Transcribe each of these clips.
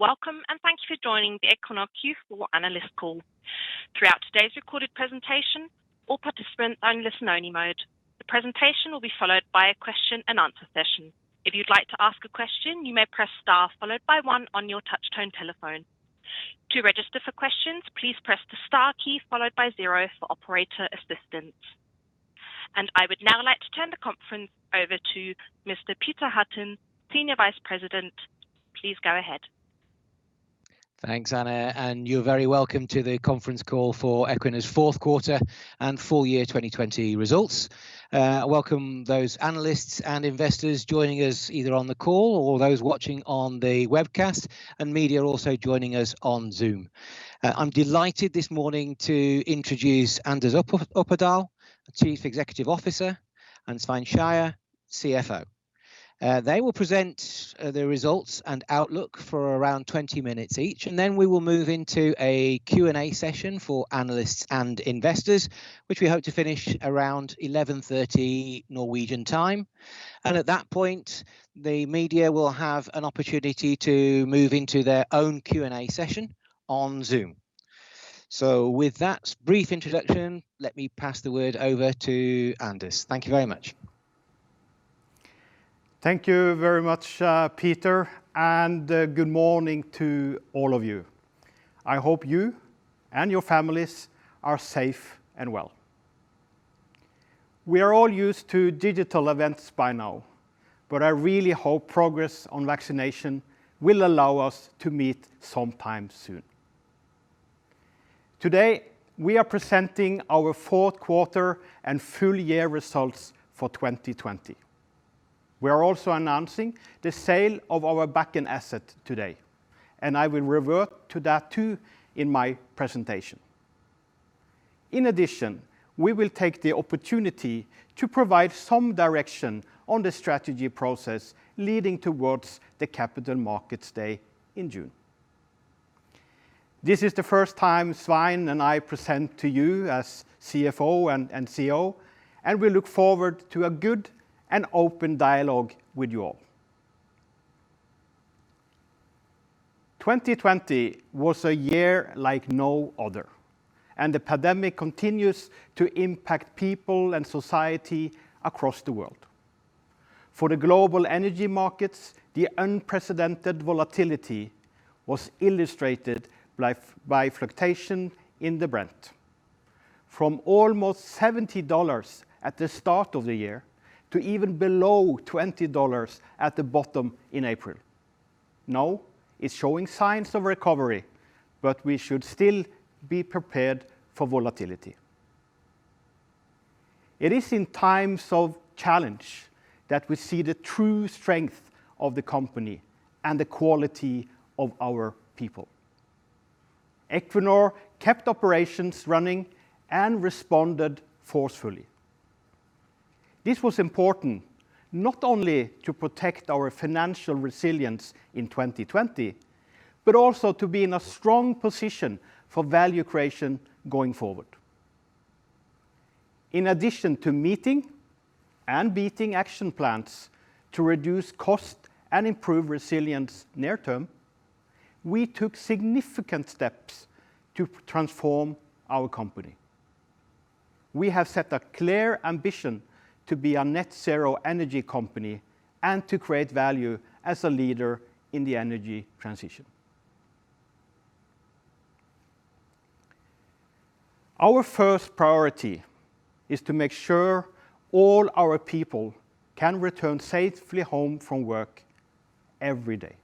Welcome, thank you for joining the Equinor Q4 analyst call. Throughout today's recorded presentation, all participants are in listen only mode. The presentation will be followed by a question and answer session. If you'd like to ask a question, you may press star followed by one on your touch-tone telephone. To register for questions, please press the star key followed by zero for operator assistance. I would now like to turn the conference over to Mr. Peter Hutton, Senior Vice President. Please go ahead. Thanks, Anna. You're very welcome to the conference call for Equinor's Fourth Quarter and Full Year 2020 Results. Welcome those analysts and investors joining us either on the call or those watching on the webcast, and media also joining us on Zoom. I'm delighted this morning to introduce Anders Opedal, Chief Executive Officer, and Svein Skeie, CFO. They will present the results and outlook for around 20 minutes each. Then we will move into a Q&A session for analysts and investors, which we hope to finish around 11:30 Norwegian time. At that point, the media will have an opportunity to move into their own Q&A session on Zoom. With that brief introduction, let me pass the word over to Anders. Thank you very much. Thank you very much, Peter, good morning to all of you. I hope you and your families are safe and well. We are all used to digital events by now, but I really hope progress on vaccination will allow us to meet sometime soon. Today, we are presenting our fourth quarter and full year results for 2020. We are also announcing the sale of our Bakken asset today, and I will revert to that too in my presentation. In addition, we will take the opportunity to provide some direction on the strategy process leading towards the Capital Markets Day in June. This is the first time Svein and I present to you as CFO and CEO, and we look forward to a good and open dialogue with you all. 2020 was a year like no other, and the pandemic continues to impact people and society across the world. For the global energy markets, the unprecedented volatility was illustrated by fluctuation in the Brent. From almost $70 at the start of the year, to even below $20 at the bottom in April. Now, it's showing signs of recovery, but we should still be prepared for volatility. It is in times of challenge that we see the true strength of the company and the quality of our people. Equinor kept operations running and responded forcefully. This was important not only to protect our financial resilience in 2020, but also to be in a strong position for value creation going forward. In addition to meeting and beating action plans to reduce cost and improve resilience near term, we took significant steps to transform our company. We have set a clear ambition to be a net zero energy company and to create value as a leader in the energy transition. Our first priority is to make sure all our people can return safely home from work every day.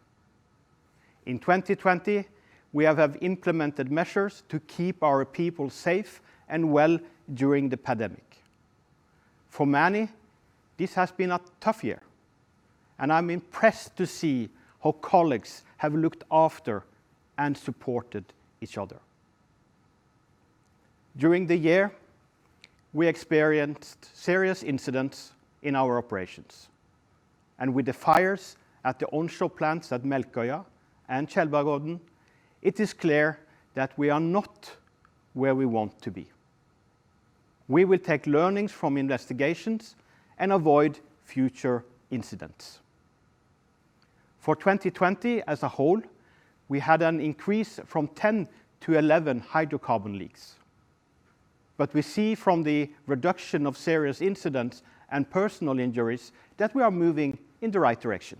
In 2020, we have implemented measures to keep our people safe and well during the pandemic. For many, this has been a tough year, and I'm impressed to see how colleagues have looked after and supported each other. During the year, we experienced serious incidents in our operations. With the fires at the onshore plants at Melkøya and Tjeldbergodden, it is clear that we are not where we want to be. We will take learnings from investigations and avoid future incidents. For 2020 as a whole, we had an increase from 10 to 11 hydrocarbon leaks. We see from the reduction of serious incidents and personal injuries that we are moving in the right direction.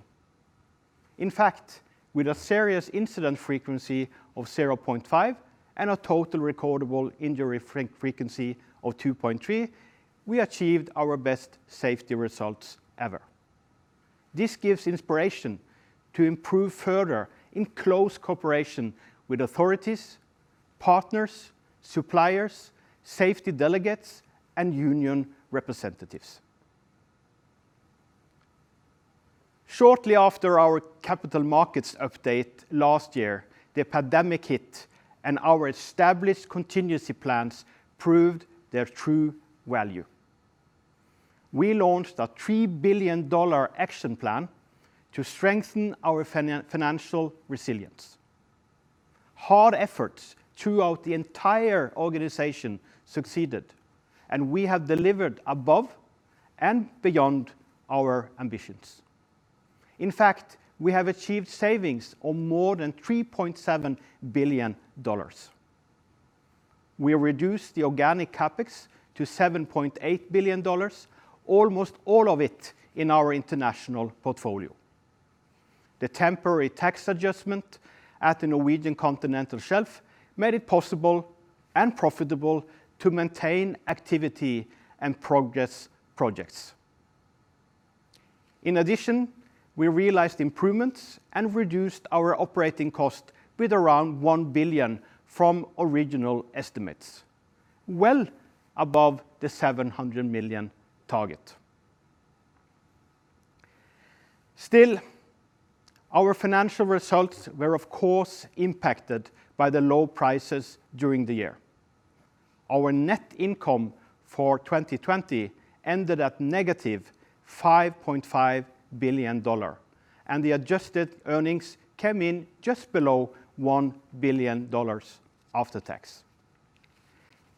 In fact, with a serious incident frequency of 0.5 and a total recordable injury frequency of 2.3, we achieved our best safety results ever. This gives inspiration to improve further in close cooperation with authorities, partners, suppliers, safety delegates, and union representatives. Shortly after our Capital Markets update last year, the pandemic hit and our established contingency plans proved their true value. We launched a $3 billion action plan to strengthen our financial resilience. Hard efforts throughout the entire organization succeeded, and we have delivered above and beyond our ambitions. In fact, we have achieved savings of more than $3.7 billion. We reduced the organic CapEx to $7.8 billion, almost all of it in our international portfolio. The temporary tax adjustment at the Norwegian continental shelf made it possible and profitable to maintain activity and progress projects. We realized improvements and reduced our operating cost with around $1 billion from original estimates, well above the $700 million target. Our financial results were of course impacted by the low prices during the year. Our net income for 2020 ended at -$5.5 billion, and the adjusted earnings came in just below $1 billion after tax.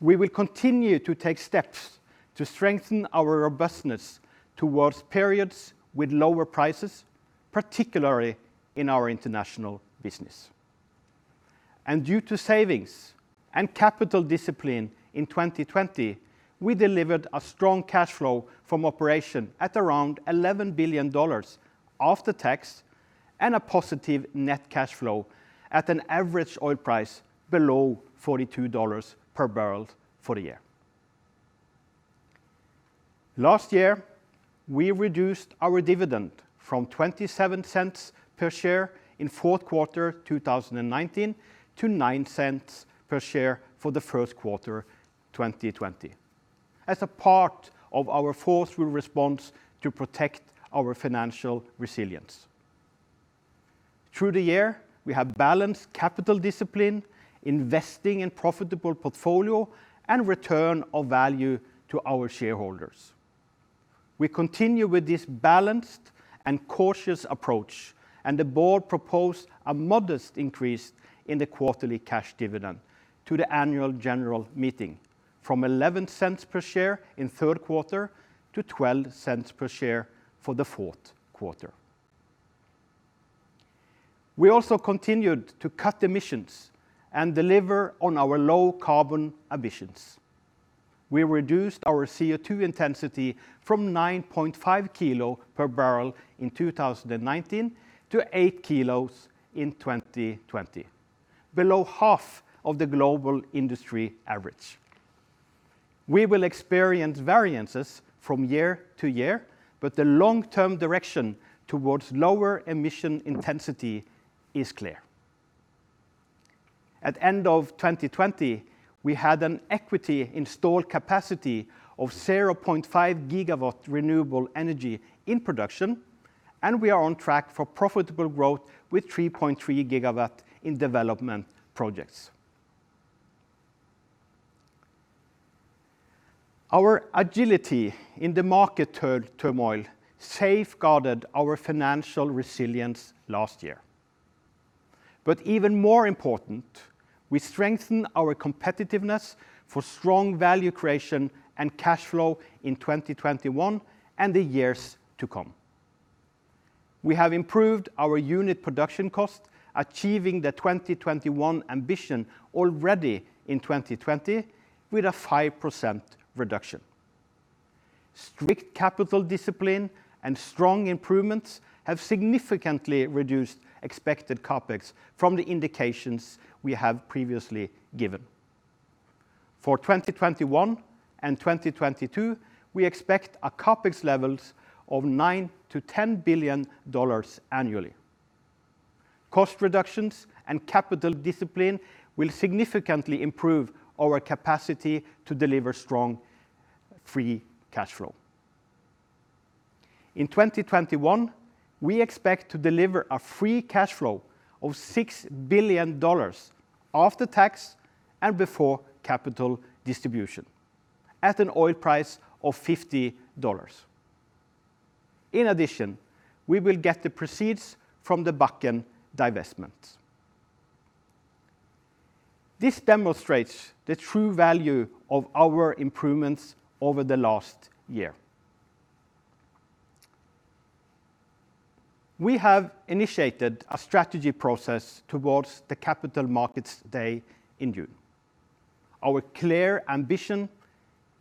We will continue to take steps to strengthen our robustness towards periods with lower prices, particularly in our international business. Due to savings and capital discipline in 2020, we delivered a strong cash flow from operation at around $11 billion after tax, and a positive net cash flow at an average oil price below $42 per barrel for the year. Last year, we reduced our dividend from $0.27 per share in fourth quarter 2019 to $0.09 per share for the first quarter 2020. As a part of our forceful response to protect our financial resilience. Through the year, we have balanced capital discipline, investing in profitable portfolio, and return of value to our shareholders. We continue with this balanced and cautious approach. The Board proposed a modest increase in the quarterly cash dividend to the Annual General Meeting, from $0.11 per share in third quarter to $0.12 per share for the fourth quarter. We also continued to cut emissions and deliver on our low carbon emissions. We reduced our CO2 intensity from 9.5 kilo per barrel in 2019 to 8 kilos in 2020. Below half of the global industry average. We will experience variances from year to year. The long-term direction towards lower emission intensity is clear. At end of 2020, we had an equity installed capacity of 0.5 GW renewable energy in production, and we are on track for profitable growth with 3.3 GW in development projects. Our agility in the market turmoil safeguarded our financial resilience last year. Even more important, we strengthen our competitiveness for strong value creation and cash flow in 2021 and the years to come. We have improved our unit production cost, achieving the 2021 ambition already in 2020 with a 5% reduction. Strict capital discipline and strong improvements have significantly reduced expected CapEx from the indications we have previously given. For 2021 and 2022, we expect CapEx levels of $9 billion-$10 billion annually. Cost reductions and capital discipline will significantly improve our capacity to deliver strong free cash flow. In 2021, we expect to deliver a free cash flow of $6 billion after tax and before capital distribution at an oil price of $50. In addition, we will get the proceeds from the Bakken divestments. This demonstrates the true value of our improvements over the last year. We have initiated a strategy process towards the Capital Markets Day in June. Our clear ambition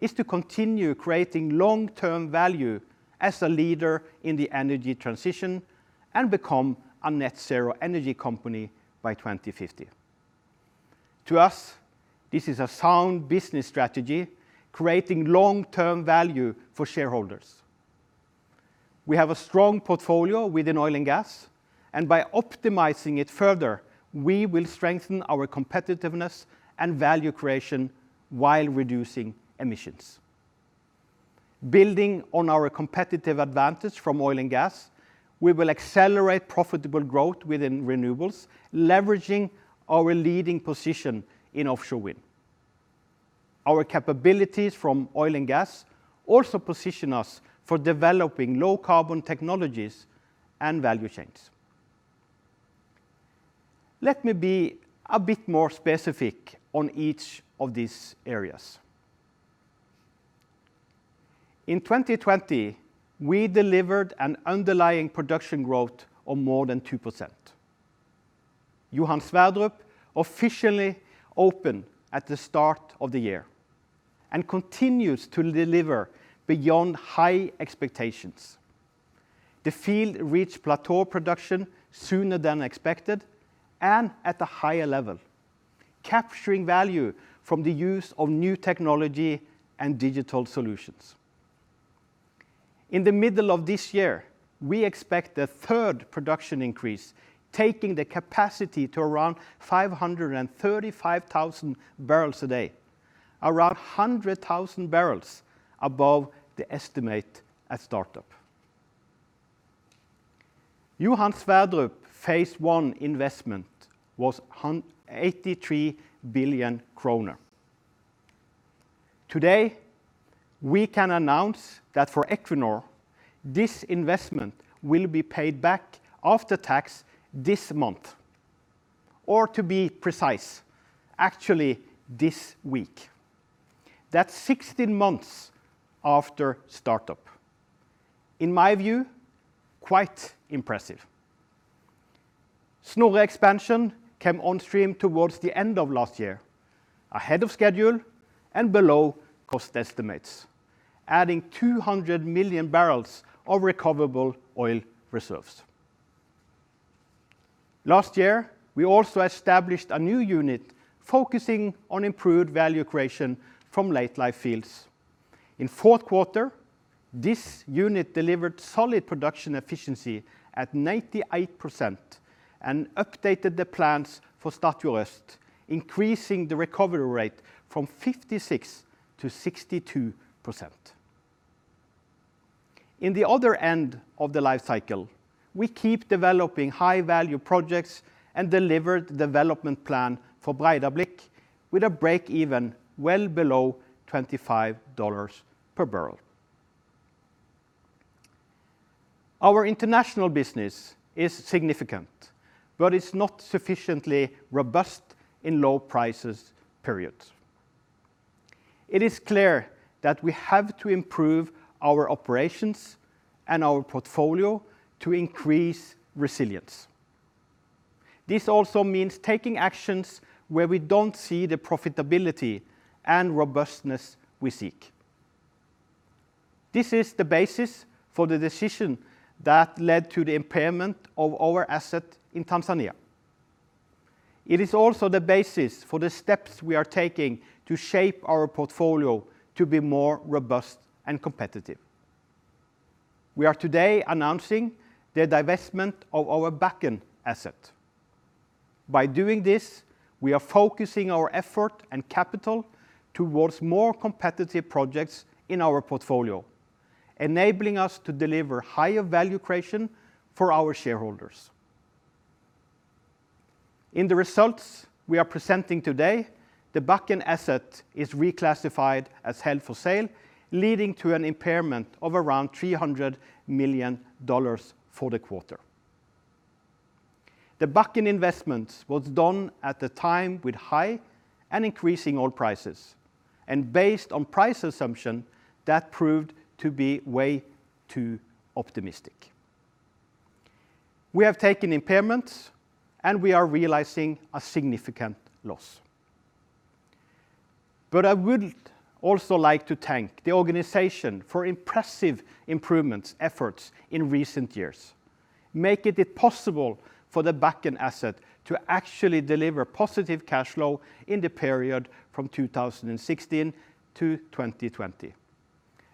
is to continue creating long-term value as a leader in the energy transition and become a net zero energy company by 2050. To us, this is a sound business strategy, creating long-term value for shareholders. We have a strong portfolio within oil and gas, and by optimizing it further, we will strengthen our competitiveness and value creation while reducing emissions. Building on our competitive advantage from oil and gas, we will accelerate profitable growth within renewables, leveraging our leading position in offshore wind. Our capabilities from oil and gas also position us for developing low-carbon technologies and value chains. Let me be a bit more specific on each of these areas. In 2020, we delivered an underlying production growth of more than 2%. Johan Sverdrup officially opened at the start of the year and continues to deliver beyond high expectations. The field reached plateau production sooner than expected and at a higher level, capturing value from the use of new technology and digital solutions. In the middle of this year, we expect a third production increase, taking the capacity to around 535,000 barrels a day, around 100,000 barrels above the estimate at startup. Johan Sverdrup Phase 1 investment was 83 billion kroner. Today, we can announce that for Equinor, this investment will be paid back after tax this month, or to be precise, actually this week. That's 16 months after startup. In my view, quite impressive. Snorre expansion came on stream towards the end of last year, ahead of schedule and below cost estimates, adding 200 million barrels of recoverable oil reserves. Last year, we also established a new unit focusing on improved value creation from late life fields. In fourth quarter, this unit delivered solid production efficiency at 98% and updated the plans for Statfjord Øst, increasing the recovery rate from 56% to 62%. In the other end of the life cycle, we keep developing high-value projects and delivered development plan for Breidablikk with a break-even well below $25 per barrel. Our international business is significant, it's not sufficiently robust in low prices periods. It is clear that we have to improve our operations and our portfolio to increase resilience. This also means taking actions where we don't see the profitability and robustness we seek. This is the basis for the decision that led to the impairment of our asset in Tanzania. It is also the basis for the steps we are taking to shape our portfolio to be more robust and competitive. We are today announcing the divestment of our Bakken asset. By doing this, we are focusing our effort and capital towards more competitive projects in our portfolio, enabling us to deliver higher value creation for our shareholders. In the results we are presenting today, the Bakken asset is reclassified as held for sale, leading to an impairment of around $300 million for the quarter. The Bakken investment was done at the time with high and increasing oil prices, and based on price assumption, that proved to be way too optimistic. We have taken impairments, and we are realizing a significant loss. I would also like to thank the organization for impressive improvement efforts in recent years, making it possible for the Bakken asset to actually deliver positive cash flow in the period from 2016 to 2020,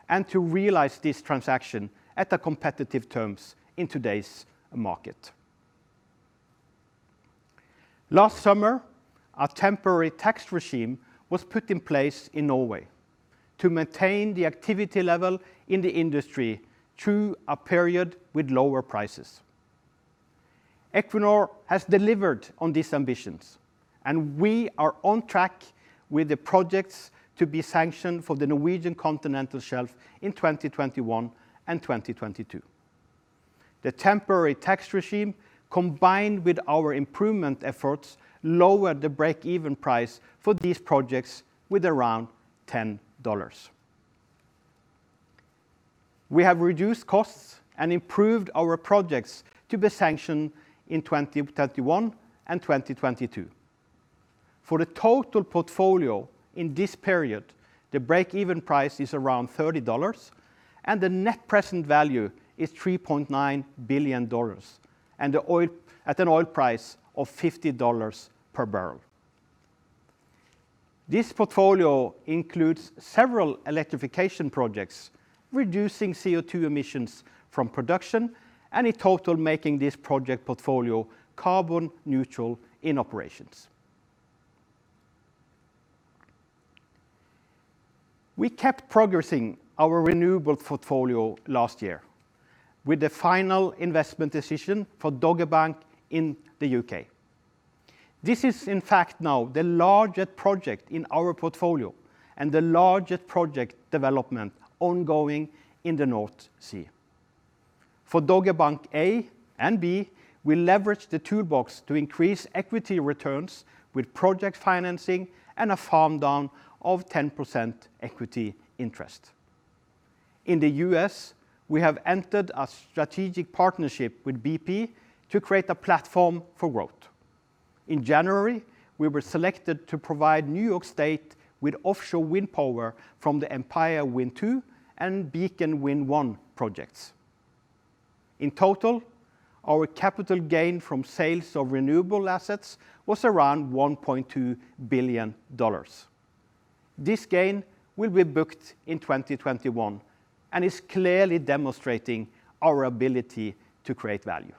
and to realize this transaction at competitive terms in today's market. Last summer, a temporary tax regime was put in place in Norway to maintain the activity level in the industry through a period with lower prices. Equinor has delivered on these ambitions, and we are on track with the projects to be sanctioned for the Norwegian continental shelf in 2021 and 2022. The temporary tax regime, combined with our improvement efforts, lowered the break-even price for these projects with around $10. We have reduced costs and improved our projects to be sanctioned in 2021 and 2022. For the total portfolio in this period, the break-even price is around $30, and the net present value is $3.9 billion at an oil price of $50 per barrel. This portfolio includes several electrification projects, reducing CO2 emissions from production, and in total, making this project portfolio carbon neutral in operations. We kept progressing our renewable portfolio last year with the final investment decision for Dogger Bank in the U.K. This is in fact now the largest project in our portfolio and the largest project development ongoing in the North Sea. For Dogger Bank A and B, we leveraged the toolbox to increase equity returns with project financing and a farm-down of 10% equity interest. In the U.S., we have entered a strategic partnership with BP to create a platform for growth. In January, we were selected to provide New York State with offshore wind power from the Empire Wind 2 and Beacon Wind 1 projects. In total, our capital gain from sales of renewable assets was around $1.2 billion. This gain will be booked in 2021 and is clearly demonstrating our ability to create value.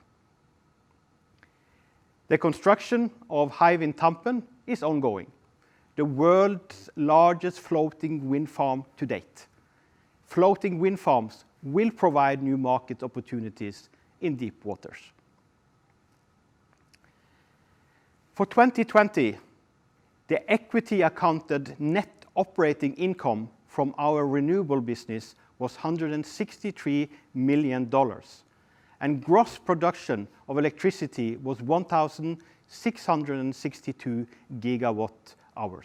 The construction of Hywind Tampen is ongoing, the world's largest floating wind farm to date. Floating wind farms will provide new market opportunities in deep waters. For 2020, the equity accounted net operating income from our renewable business was $163 million, and gross production of electricity was 1,662 GWh.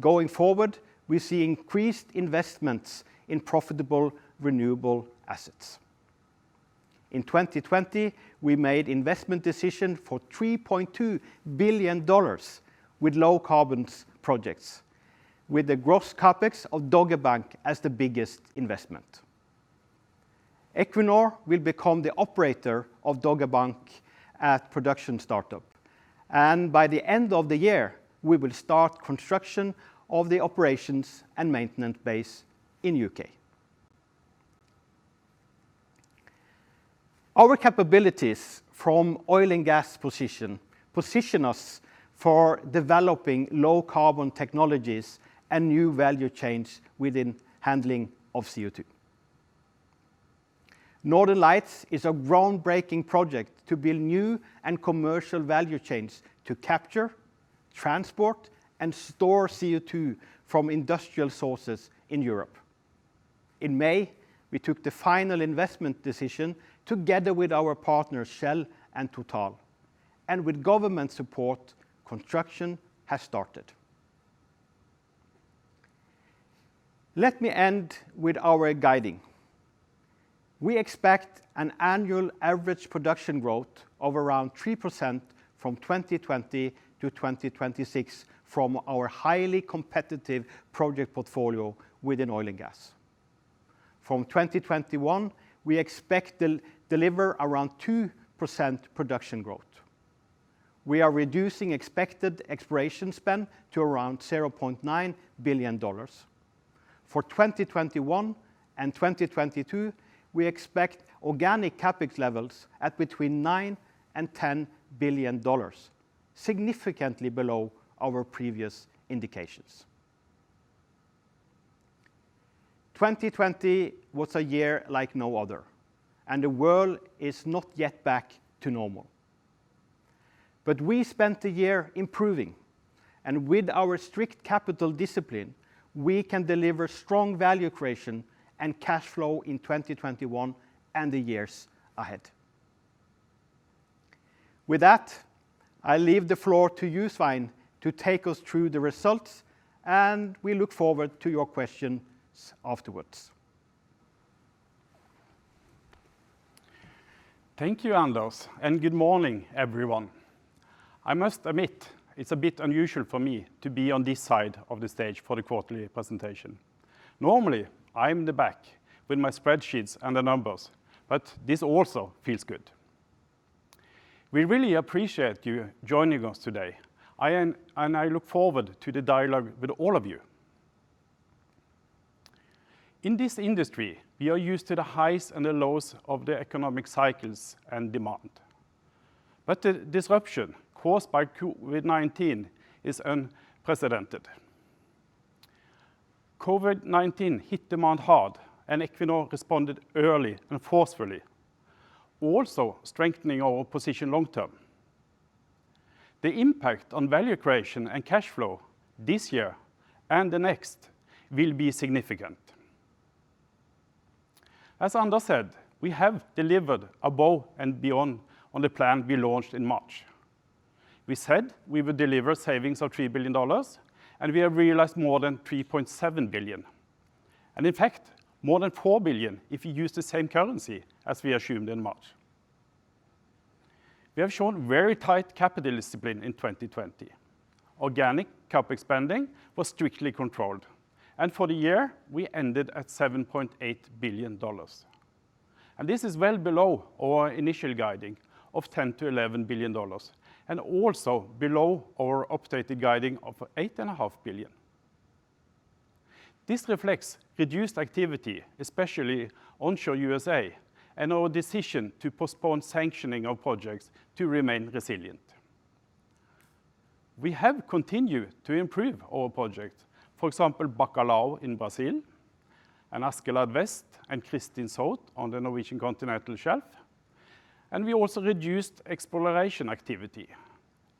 Going forward, we see increased investments in profitable renewable assets. In 2020, we made investment decision for $3.2 billion with low carbons projects, with the gross CapEx of Dogger Bank as the biggest investment. Equinor will become the operator of Dogger Bank at production startup. By the end of the year, we will start construction of the operations and maintenance base in U.K. Our capabilities from oil and gas position us for developing low carbon technologies and new value chains within handling of CO2. Northern Lights is a groundbreaking project to build new and commercial value chains to capture, transport, and store CO2 from industrial sources in Europe. In May, we took the final investment decision together with our partners Shell and Total. With government support, construction has started. Let me end with our guiding. We expect an annual average production growth of around 3% from 2020 to 2026 from our highly competitive project portfolio within oil and gas. From 2021, we expect to deliver around 2% production growth. We are reducing expected exploration spend to around $0.9 billion. For 2021 and 2022, we expect organic CapEx levels at between $9 billion and $10 billion, significantly below our previous indications. 2020 was a year like no other. The world is not yet back to normal. We spent the year improving, and with our strict capital discipline, we can deliver strong value creation and cash flow in 2021 and the years ahead. With that, I leave the floor to Svein to take us through the results. We look forward to your questions afterwards. Thank you, Anders, and good morning, everyone. I must admit, it's a bit unusual for me to be on this side of the stage for the quarterly presentation. Normally, I'm in the back with my spreadsheets and the numbers, but this also feels good. We really appreciate you joining us today. I look forward to the dialogue with all of you. In this industry, we are used to the highs and the lows of the economic cycles and demand. The disruption caused by COVID-19 is unprecedented. COVID-19 hit demand hard, and Equinor responded early and forcefully, also strengthening our position long-term. The impact on value creation and cash flow this year and the next will be significant. As Anders said, we have delivered above and beyond on the plan we launched in March. We said we would deliver savings of $3 billion, and we have realized more than $3.7 billion. In fact, more than $4 billion if you use the same currency as we assumed in March. We have shown very tight capital discipline in 2020. Organic CapEx spending was strictly controlled, and for the year, we ended at $7.8 billion. This is well below our initial guiding of $10 billion-$11 billion, and also below our updated guiding of $8.5 billion. This reflects reduced activity, especially onshore U.S.A., and our decision to postpone sanctioning of projects to remain resilient. We have continued to improve our project. For example, Bacalhau in Brazil, and Askeladd Vest and Kristin South on the Norwegian continental shelf. We also reduced exploration activity,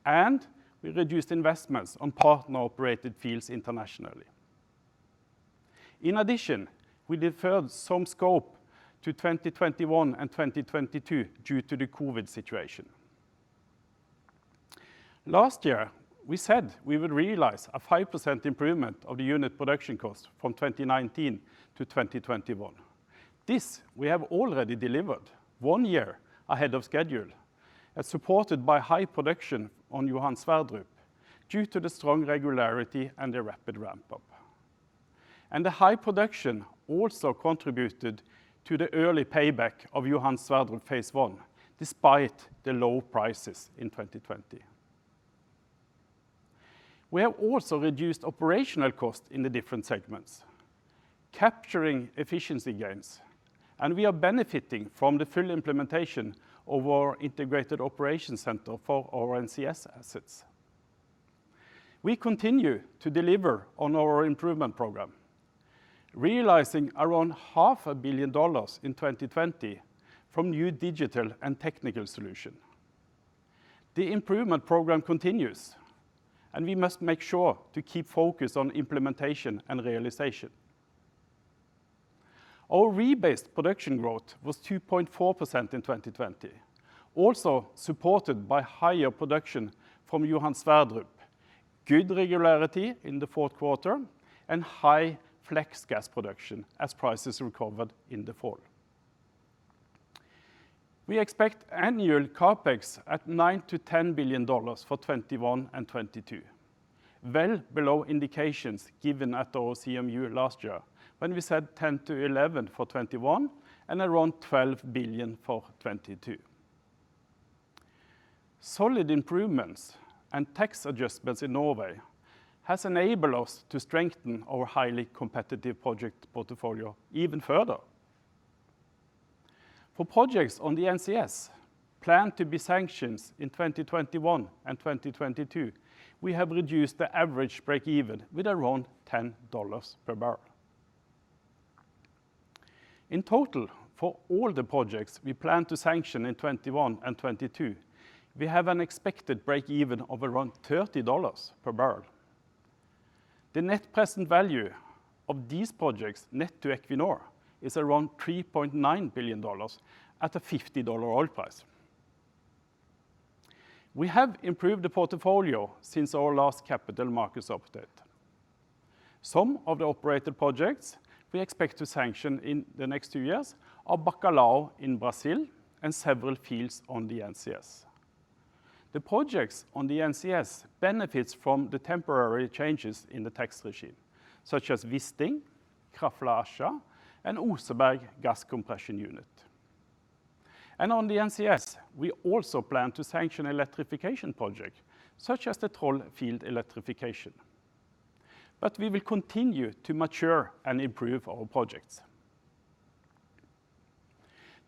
and we reduced investments on partner-operated fields internationally. In addition, we deferred some scope to 2021 and 2022 due to the COVID situation. Last year, we said we would realize a 5% improvement of the unit production cost from 2019 to 2021. This we have already delivered one year ahead of schedule, as supported by high production on Johan Sverdrup due to the strong regularity and the rapid ramp-up. The high production also contributed to the early payback of Johan Sverdrup Phase 1 despite the low prices in 2020. We have also reduced operational costs in the different segments, capturing efficiency gains, and we are benefiting from the full implementation of our integrated operation center for our NCS assets. We continue to deliver on our improvement program, realizing around $0.5 billion in 2020 from new digital and technical solution. The improvement program continues, and we must make sure to keep focus on implementation and realization. Our rebased production growth was 2.4% in 2020, also supported by higher production from Johan Sverdrup, good regularity in the fourth quarter, and high flex gas production as prices recovered in the fall. We expect annual CapEx at $9 billion-$10 billion for 2021 and 2022, well below indications given at our CMU last year when we said $10 billion-$11 billion for 2021 and around $12 billion for 2022. Solid improvements and tax adjustments in Norway has enabled us to strengthen our highly competitive project portfolio even further. For projects on the NCS planned to be sanctioned in 2021 and 2022, we have reduced the average breakeven with around $10 per barrel. In total, for all the projects we plan to sanction in 2021 and 2022, we have an expected breakeven of around $30 per barrel. The net present value of these projects net to Equinor is around $3.9 billion at a $50 oil price. We have improved the portfolio since our last Capital Markets update. Some of the operated projects we expect to sanction in the next two years are Bacalhau in Brazil and several fields on the NCS. The projects on the NCS benefits from the temporary changes in the tax regime, such as Wisting, Krafla/Askja, and Oseberg Gas Compression Unit. On the NCS, we also plan to sanction electrification project such as the Troll field electrification. We will continue to mature and improve our projects.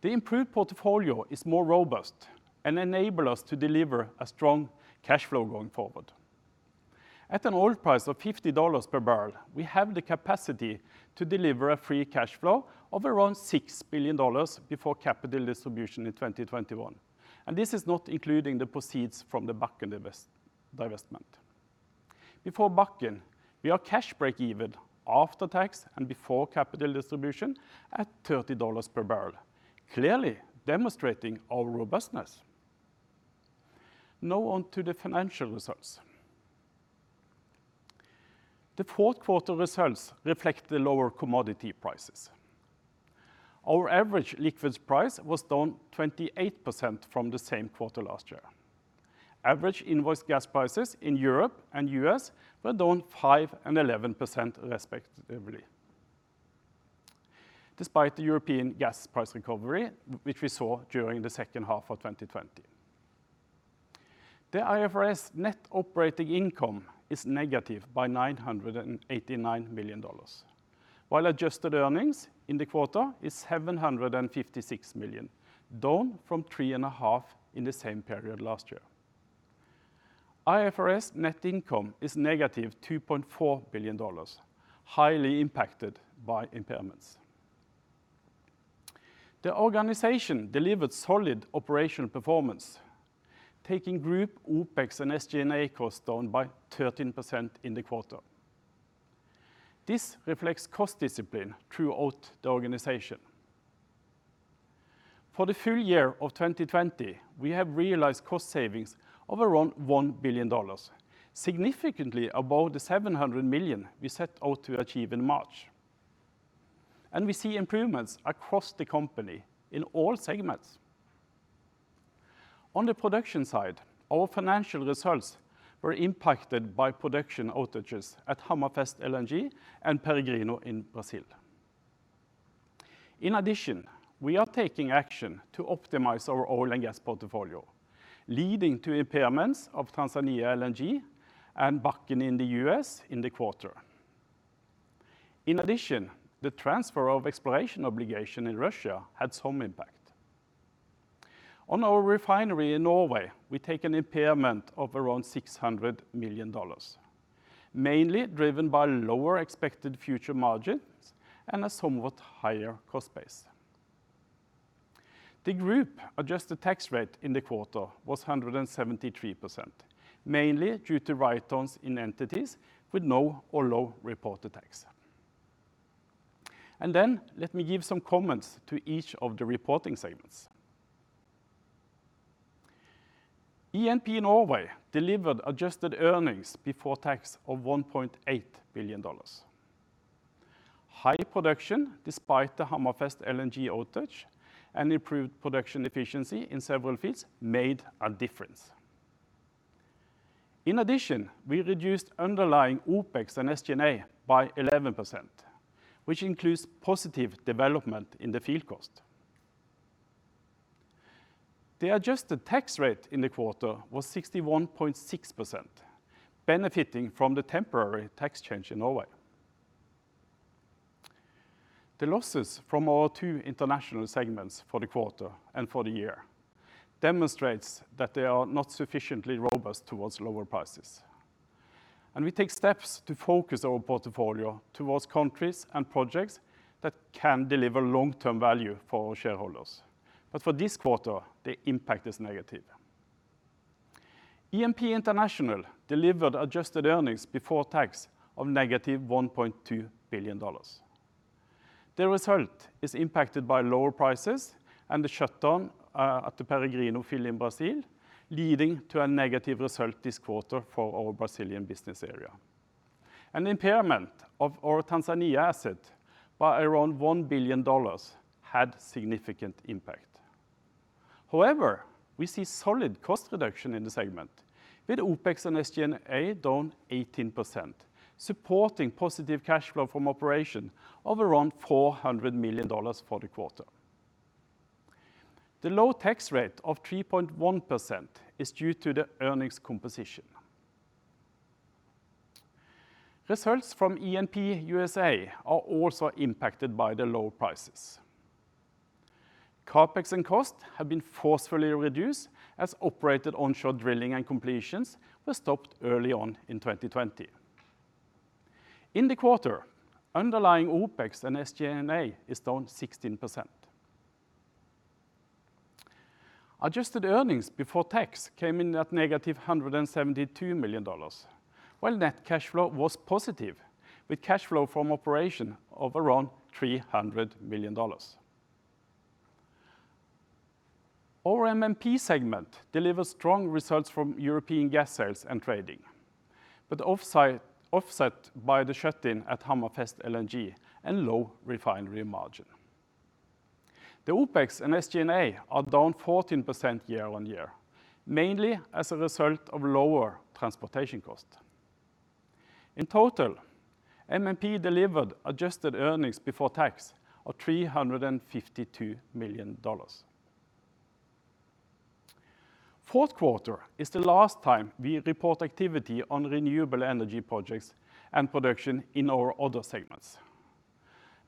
The improved portfolio is more robust and enable us to deliver a strong cash flow going forward. At an oil price of $50 per barrel, we have the capacity to deliver a free cash flow of around $6 billion before capital distribution in 2021. This is not including the proceeds from the Bakken divestment. Before Bakken, we are cash breakeven after tax and before capital distribution at $30 per barrel, clearly demonstrating our robustness. Now on to the financial results. The fourth quarter results reflect the lower commodity prices. Our average liquids price was down 28% from the same quarter last year. Average invoice gas prices in Europe and U.S. were down 5% and 11% respectively, despite the European gas price recovery, which we saw during the second half of 2020. The IFRS net operating income is negative by $989 million, while adjusted earnings in the quarter is $756 million, down from $3.5 billion in the same period last year. IFRS net income is -$2.4 billion, highly impacted by impairments. The organization delivered solid operational performance, taking group OpEx and SG&A costs down by 13% in the quarter. This reflects cost discipline throughout the organization. For the full year of 2020, we have realized cost savings of around $1 billion, significantly above the $700 million we set out to achieve in March. We see improvements across the company in all segments. On the production side, our financial results were impacted by production outages at Hammerfest LNG and Peregrino in Brazil. In addition, we are taking action to optimize our oil and gas portfolio, leading to impairments of Tanzania LNG and Bakken in the U.S. in the quarter. In addition, the transfer of exploration obligation in Russia had some impact. On our refinery in Norway, we take an impairment of around $600 million, mainly driven by lower expected future margins and a somewhat higher cost base. The group-adjusted tax rate in the quarter was 173%, mainly due to write-downs in entities with no or low reported tax. Let me give some comments to each of the reporting segments. E&P Norway delivered adjusted earnings before tax of $1.8 billion. High production despite the Hammerfest LNG outage and improved production efficiency in several fields made a difference. In addition, we reduced underlying OpEx and SG&A by 11%, which includes positive development in the field cost. The adjusted tax rate in the quarter was 61.6%, benefiting from the temporary tax change in Norway. The losses from our two international segments for the quarter and for the year demonstrates that they are not sufficiently robust towards lower prices. We take steps to focus our portfolio towards countries and projects that can deliver long-term value for our shareholders. For this quarter, the impact is negative. E&P International delivered adjusted earnings before tax of -$1.2 billion. The result is impacted by lower prices and the shutdown at the Peregrino field in Brazil, leading to a negative result this quarter for our Brazilian business area. An impairment of our Tanzania asset by around $1 billion had significant impact. We see solid cost reduction in the segment, with OpEx and SG&A down 18%, supporting positive cash flow from operation of around $400 million for the quarter. The low tax rate of 3.1% is due to the earnings composition. Results from E&P U.S.A. are also impacted by the low prices. CapEx and cost have been forcefully reduced as operated onshore drilling and completions were stopped early on in 2020. In the quarter, underlying OpEx and SG&A is down 16%. Adjusted earnings before tax came in at -$172 million, while net cash flow was positive, with cash flow from operation of around $300 million. Our MMP segment delivered strong results from European gas sales and trading, offset by the shutdown at Hammerfest LNG and low refinery margin. The OpEx and SG&A are down 14% year-on-year, mainly as a result of lower transportation cost. In total, MMP delivered adjusted earnings before tax of $352 million. Fourth quarter is the last time we report activity on renewable energy projects and production in our other segments.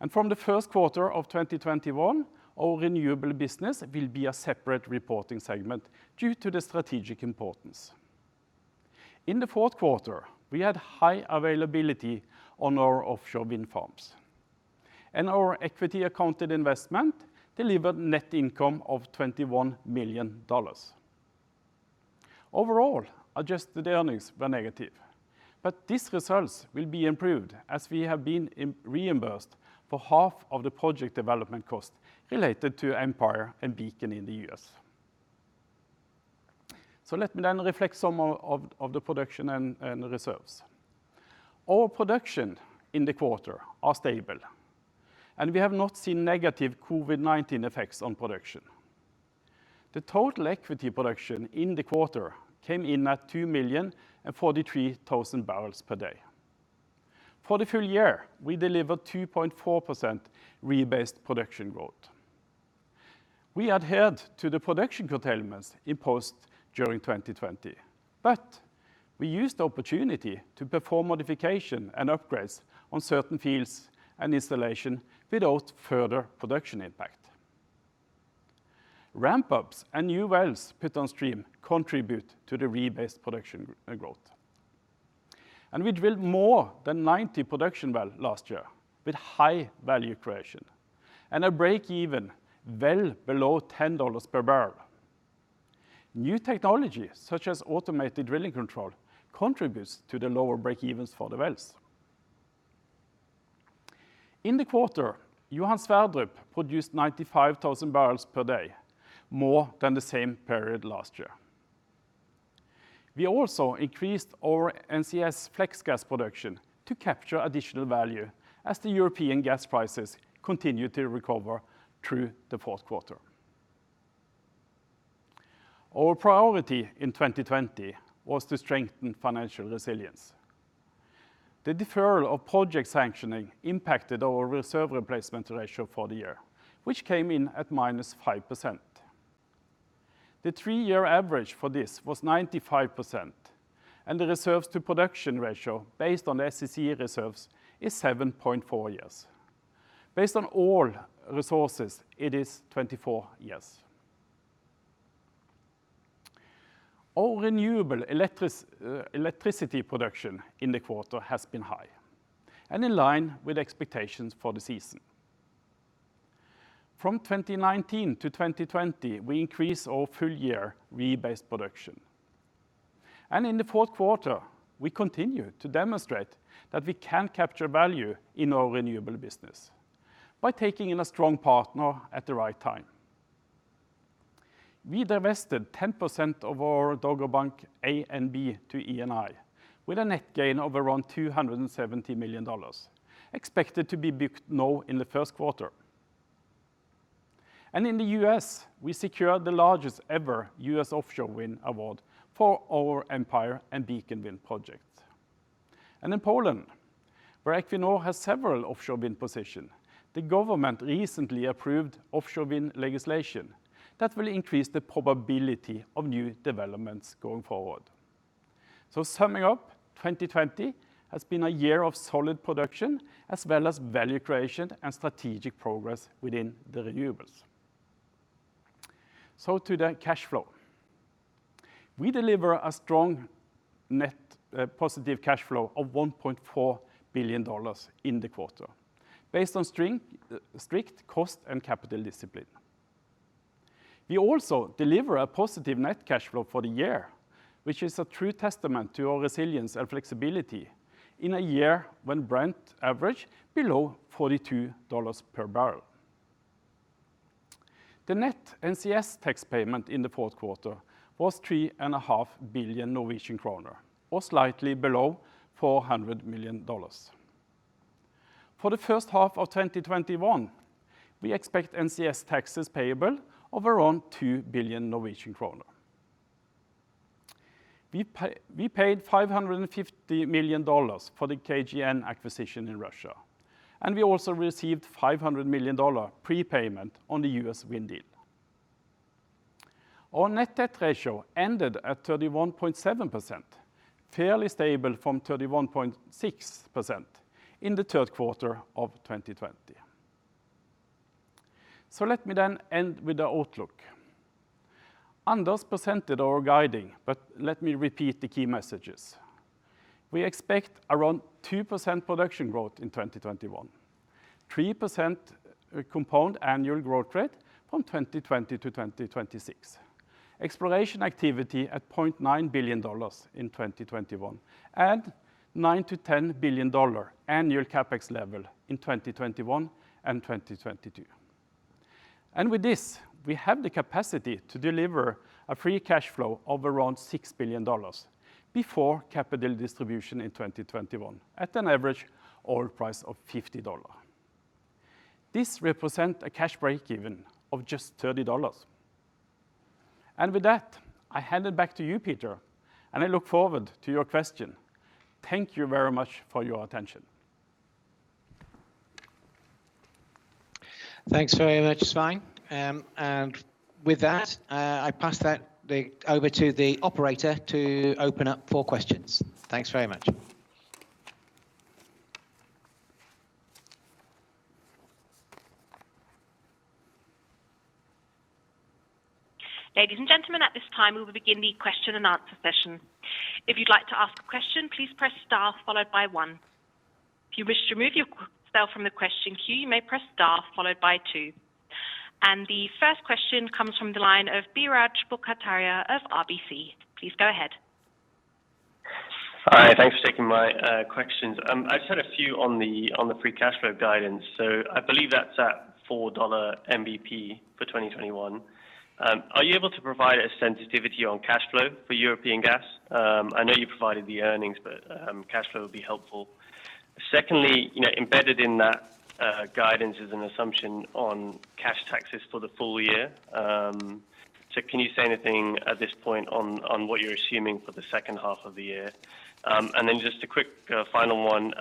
From the first quarter of 2021, our renewable business will be a separate reporting segment due to the strategic importance. In the fourth quarter, we had high availability on our offshore wind farms, and our equity accounted investment delivered net income of $21 million. Overall, adjusted earnings were negative, these results will be improved as we have been reimbursed for half of the project development cost related to Empire and Beacon in the U.S. Let me reflect some of the production and reserves. Our production in the quarter is stable. We have not seen negative COVID-19 effects on production. The total equity production in the quarter came in at 2,043,000 barrels per day. For the full year, we delivered 2.4% rebased production growth. We adhered to the production curtailments imposed during 2020. We used the opportunity to perform modification and upgrades on certain fields and installation without further production impact. Ramp-ups and new wells put on stream contribute to the rebased production growth. We drilled more than 90 production wells last year with high value creation and a breakeven well below $10 per barrel. New technology, such as automated drilling control, contributes to the lower breakevens for the wells. In the quarter, Johan Sverdrup produced 95,000 barrels per day, more than the same period last year. We also increased our NCS flex gas production to capture additional value as the European gas prices continued to recover through the fourth quarter. Our priority in 2020 was to strengthen financial resilience. The deferral of project sanctioning impacted our reserve replacement ratio for the year, which came in at -5%. The three-year average for this was 95%, and the reserves to production ratio based on SEC reserves is 7.4 years. Based on all resources, it is 24 years. All renewable electricity production in the quarter has been high and in line with expectations for the season. From 2019 to 2020, we increased our full-year rebased production. In the fourth quarter, we continued to demonstrate that we can capture value in our renewable business by taking in a strong partner at the right time. We divested 10% of our Dogger Bank A and B to Eni with a net gain of around $270 million, expected to be booked now in the first quarter. In the U.S., we secured the largest ever U.S. offshore wind award for our Empire and Beacon Wind projects. In Poland, where Equinor has several offshore wind position, the government recently approved offshore wind legislation that will increase the probability of new developments going forward. Summing up, 2020 has been a year of solid production as well as value creation and strategic progress within the renewables. To the cash flow. We deliver a strong net positive cash flow of $1.4 billion in the quarter based on strict cost and capital discipline. We also deliver a positive net cash flow for the year, which is a true testament to our resilience and flexibility in a year when Brent averaged below $42 per barrel. The net NCS tax payment in the fourth quarter was 3.5 billion Norwegian kroner, or slightly below $400 million. For the first half of 2021, we expect NCS taxes payable of around 2 billion Norwegian kroner. We paid $550 million for the KGN acquisition in Russia, and we also received a $500 million prepayment on the U.S. wind deal. Our net debt ratio ended at 31.7%, fairly stable from 31.6% in the third quarter of 2020. Let me end with the outlook. Anders presented our guiding. Let me repeat the key messages. We expect around 2% production growth in 2021, 3% compound annual growth rate from 2020 to 2026, exploration activity at $0.9 billion in 2021, and $9 billion-$10 billion annual CapEx level in 2021 and 2022. With this, we have the capacity to deliver a free cash flow of around $6 billion before capital distribution in 2021 at an average oil price of $50. This represents a cash breakeven of just $30. With that, I hand it back to you, Peter, and I look forward to your question. Thank you very much for your attention. Thanks very much, Svein. With that, I pass that over to the operator to open up for questions. Thanks very much. Ladies and gentlemen, at this time, we will begin the question and answer session. If you'd like to ask a question, please press star followed by one. If you wish to remove yourself from the question queue, you may press star followed by two. The first question comes from the line of Biraj Borkhataria of RBC. Please go ahead. Hi, thanks for taking my questions. I just had a few on the free cash flow guidance. I believe that's at $4 NBP for 2021. Are you able to provide a sensitivity on cash flow for European gas? I know you provided the earnings, cash flow would be helpful. Secondly, embedded in that guidance is an assumption on cash taxes for the full year. Can you say anything at this point on what you're assuming for the second half of the year? Just a quick final one.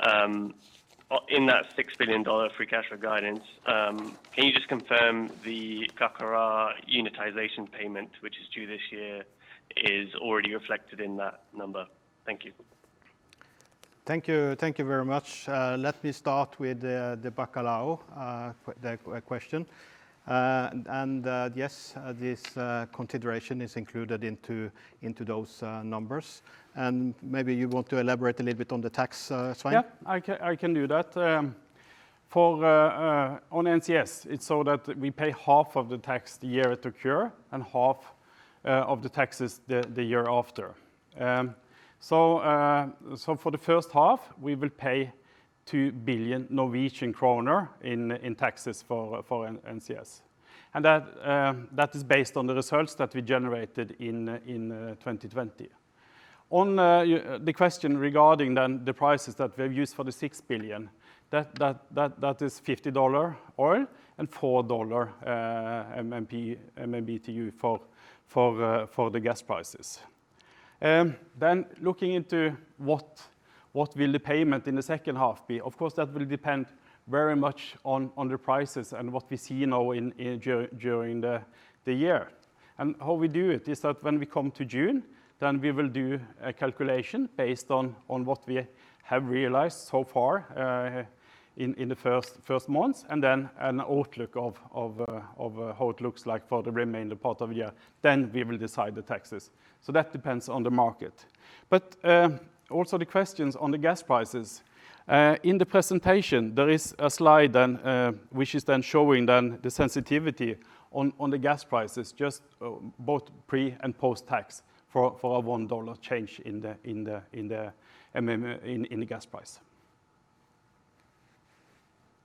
In that $6 billion free cash flow guidance, can you just confirm the Carcará unitization payment, which is due this year, is already reflected in that number? Thank you. Thank you very much. Let me start with the Bacalhau question. Yes, this consideration is included into those numbers. Maybe you want to elaborate a little bit on the tax, Svein? Yeah, I can do that. On NCS, it is so that we pay half of the tax the year it occurs and half of the taxes the year after. For the first half, we will pay 2 billion Norwegian kroner in taxes for NCS. That is based on the results that we generated in 2020. On the question regarding then the prices that we've used for the $6 billion, that is $50 oil and $4 MMBtu for the gas prices. Looking into what will the payment in the second half be. Of course, that will depend very much on the prices and what we see now during the year. How we do it is that when we come to June, then we will do a calculation based on what we have realized so far in the first months, and then an outlook of how it looks like for the remaining part of the year. We will decide the taxes. Also the questions on the gas prices. In the presentation, there is a slide which is then showing the sensitivity on the gas prices, just both pre- and post-tax for a $1 change in the gas price.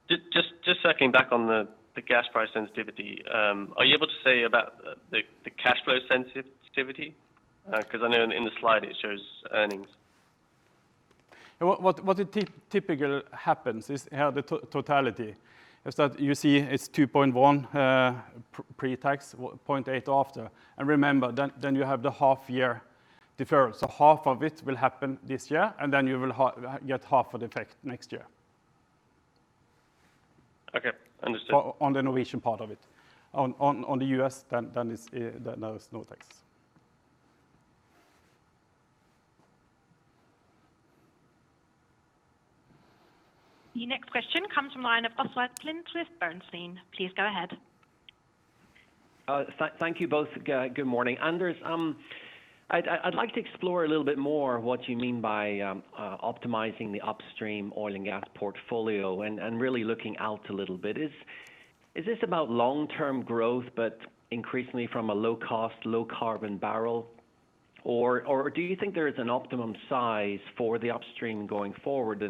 Just circling back on the gas price sensitivity, are you able to say about the cash flow sensitivity? Because I know in the slide it shows earnings. What typically happens is how the totality is that you see it's $2.1 billion pre-tax, $0.8 billion after. Remember, then you have the half year deferral. Half of it will happen this year, and then you will get half of the effect next year. Okay. Understood. On the Norwegian part of it. On the U.S., there is no tax. The next question comes from the line of Oswald Clint with Bernstein. Please go ahead. Thank you both. Good morning. Anders, I'd like to explore a little bit more what you mean by optimizing the upstream oil and gas portfolio and really looking out a little bit. Is this about long-term growth, but increasingly from a low-cost, low-carbon barrel? Do you think there is an optimum size for the upstream going forward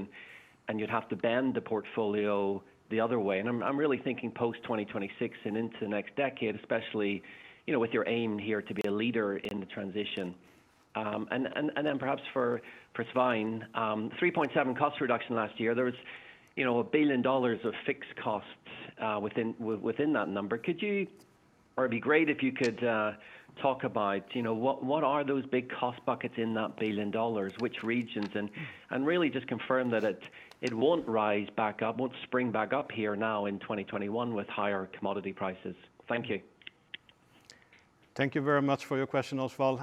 and you'd have to bend the portfolio the other way? I'm really thinking post-2026 and into the next decade, especially, with your aim here to be a leader in the transition. Perhaps for Svein, 3.7% cost reduction last year, there was $1 billion of fixed costs within that number. It'd be great if you could talk about what are those big cost buckets in that $1 billion, which regions, and really just confirm that it won't rise back up, won't spring back up here now in 2021 with higher commodity prices. Thank you. Thank you very much for your question, Oswald.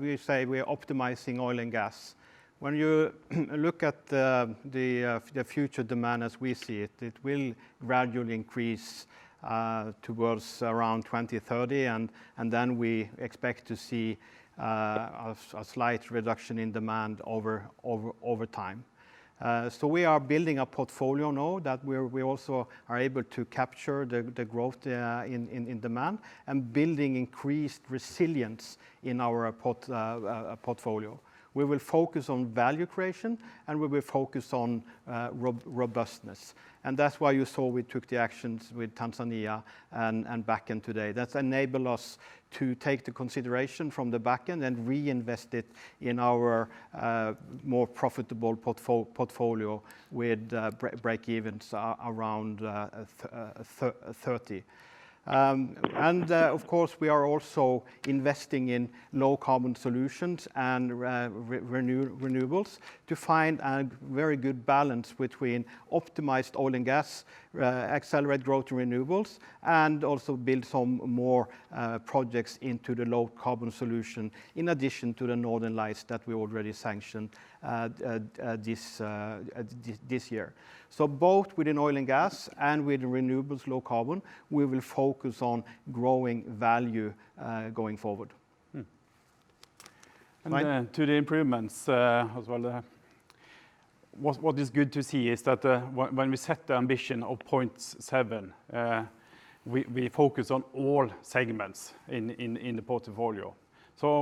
We say we are optimizing oil and gas. When you look at the future demand as we see it will gradually increase towards around 2030, then we expect to see a slight reduction in demand over time. We are building a portfolio now that we also are able to capture the growth in demand and building increased resilience in our portfolio. We will focus on value creation and we will focus on robustness. That's why you saw we took the actions with Tanzania and Bakken today. That enable us to take the consideration from the Bakken and reinvest it in our more profitable portfolio with break-evens around $30. Of course, we are also investing in low carbon solutions and renewables to find a very good balance between optimized oil and gas, accelerate growth in renewables, and also build some more projects into the low carbon solution, in addition to the Northern Lights that we already sanctioned this year. Both within oil and gas and with renewables low carbon, we will focus on growing value going forward. To the improvements as well. What is good to see is that when we set the ambition of $0.7 billion, we focus on all segments in the portfolio.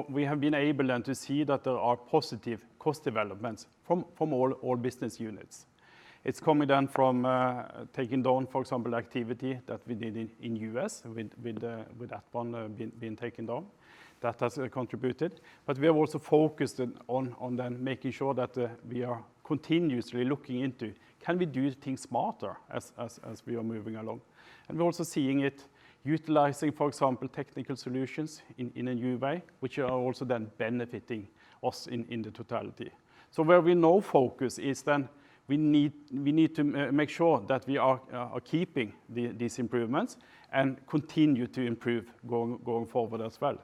We have been able then to see that there are positive cost developments from all business units. It's coming down from taking down, for example, activity that we did in U.S. with that one being taken down. That has contributed. We have also focused on then making sure that we are continuously looking into, can we do things smarter as we are moving along? We're also seeing it utilizing, for example, technical solutions in a new way, which are also then benefiting us in the totality. Where we now focus is then we need to make sure that we are keeping these improvements and continue to improve going forward as well.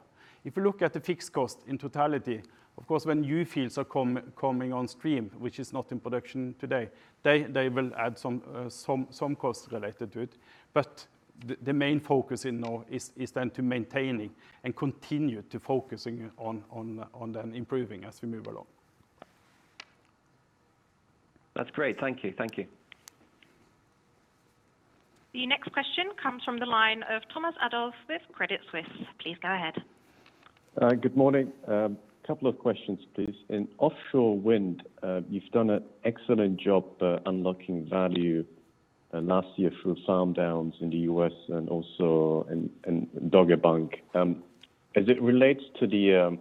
If you look at the fixed cost in totality, of course, when new fields are coming on stream, which is not in production today, they will add some costs related to it. The main focus is now is then to maintaining and continue to focusing on then improving as we move along. That's great. Thank you. The next question comes from the line of Thomas Adolff with Credit Suisse. Please go ahead. Good morning. A couple of questions, please. In offshore wind, you've done an excellent job unlocking value last year through farm downs in the U.S. and also in Dogger Bank. As it relates to the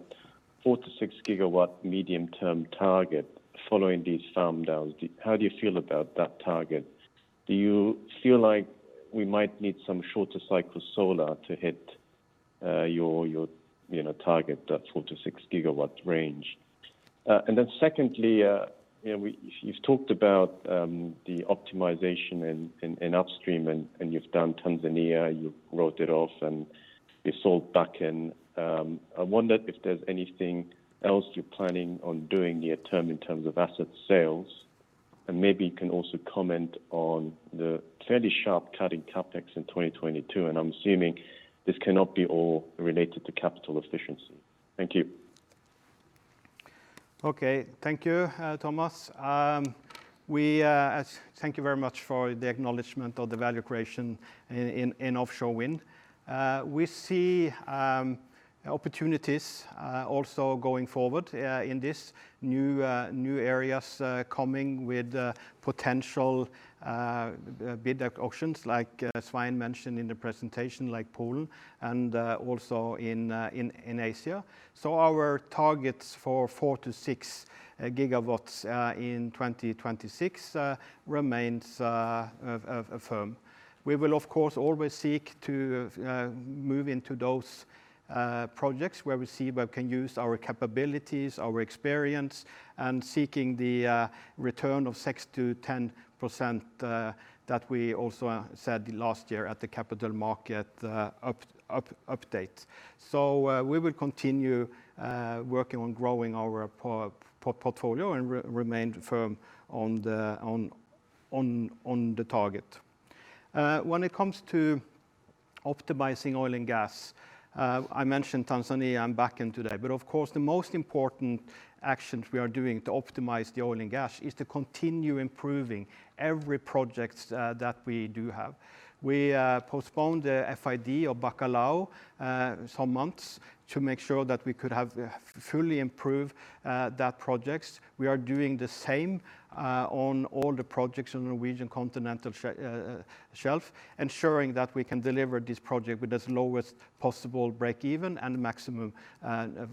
4-6 GW medium-term target following these farm downs, how do you feel about that target? Do you feel like we might need some shorter cycle solar to hit your target, that 4-6 GW range? Secondly, you've talked about the optimization in upstream, and you've done Tanzania, you wrote it off and you sold Bakken. I wondered if there's anything else you're planning on doing near-term in terms of asset sales, and maybe you can also comment on the fairly sharp cut in CapEx in 2022, and I'm assuming this cannot be all related to capital efficiency. Thank you. Okay. Thank you, Thomas. Thank you very much for the acknowledgement of the value creation in offshore wind. We see opportunities also going forward in these new areas coming with potential bid auctions like Svein mentioned in the presentation, like Poland, and also in Asia. Our targets for 4-6 GW in 2026 remains firm. We will, of course, always seek to move into those projects where we see we can use our capabilities, our experience, and seeking the return of 6%-10% that we also said last year at the Capital Market update. We will continue working on growing our portfolio and remain firm on the target. When it comes to optimizing oil and gas, I mentioned Tanzania and Bakken today, but of course the most important actions we are doing to optimize the oil and gas is to continue improving every project that we do have. We postponed the FID of Bacalhau some months to make sure that we could have fully improved that project. We are doing the same on all the projects on the Norwegian continental shelf, ensuring that we can deliver this project with as lowest possible breakeven and maximum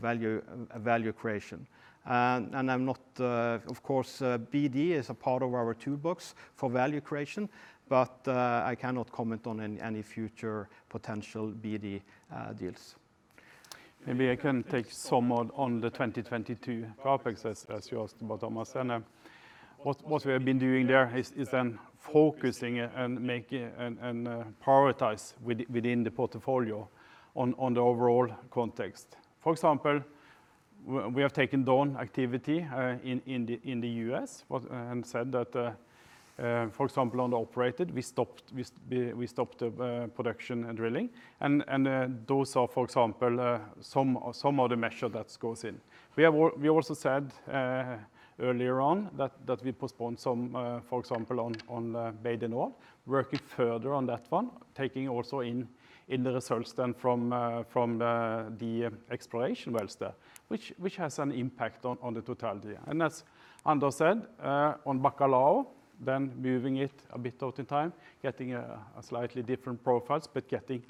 value creation. Of course, BD is a part of our toolbox for value creation, but I cannot comment on any future potential BD deals. Maybe I can take some on the 2022 topics as you asked about, Thomas. What we have been doing there is then focusing and prioritize within the portfolio on the overall context. For example, we have taken down activity in the U.S. and said that, for example, on the operated, we stopped production and drilling, and those are, for example, some of the measures that goes in. We also said earlier on that we postponed some, for example, on Bay du Nord, working further on that one, taking also in the results then from the exploration wells there, which has an impact on the totality. As Anders said on Bacalhau, then moving it a bit out in time, getting slightly different profiles, but getting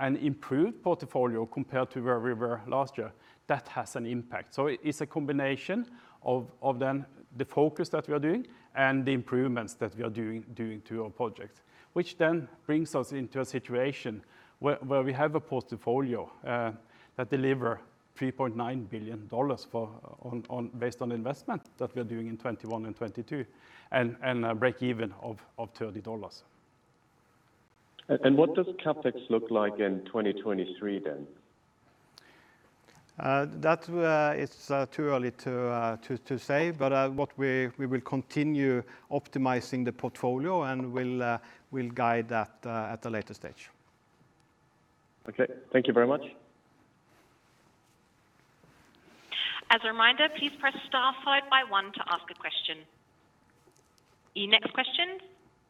an improved portfolio compared to where we were last year. That has an impact. It's a combination of then the focus that we are doing and the improvements that we are doing to our projects. Which then brings us into a situation where we have a portfolio that deliver $3.9 billion based on investment that we are doing in 2021 and 2022 and a breakeven of $30. What does CapEx look like in 2023 then? That is too early to say, but we will continue optimizing the portfolio and we'll guide that at a later stage. Okay. Thank you very much. As a reminder, please press star five by one to ask a question. Your next question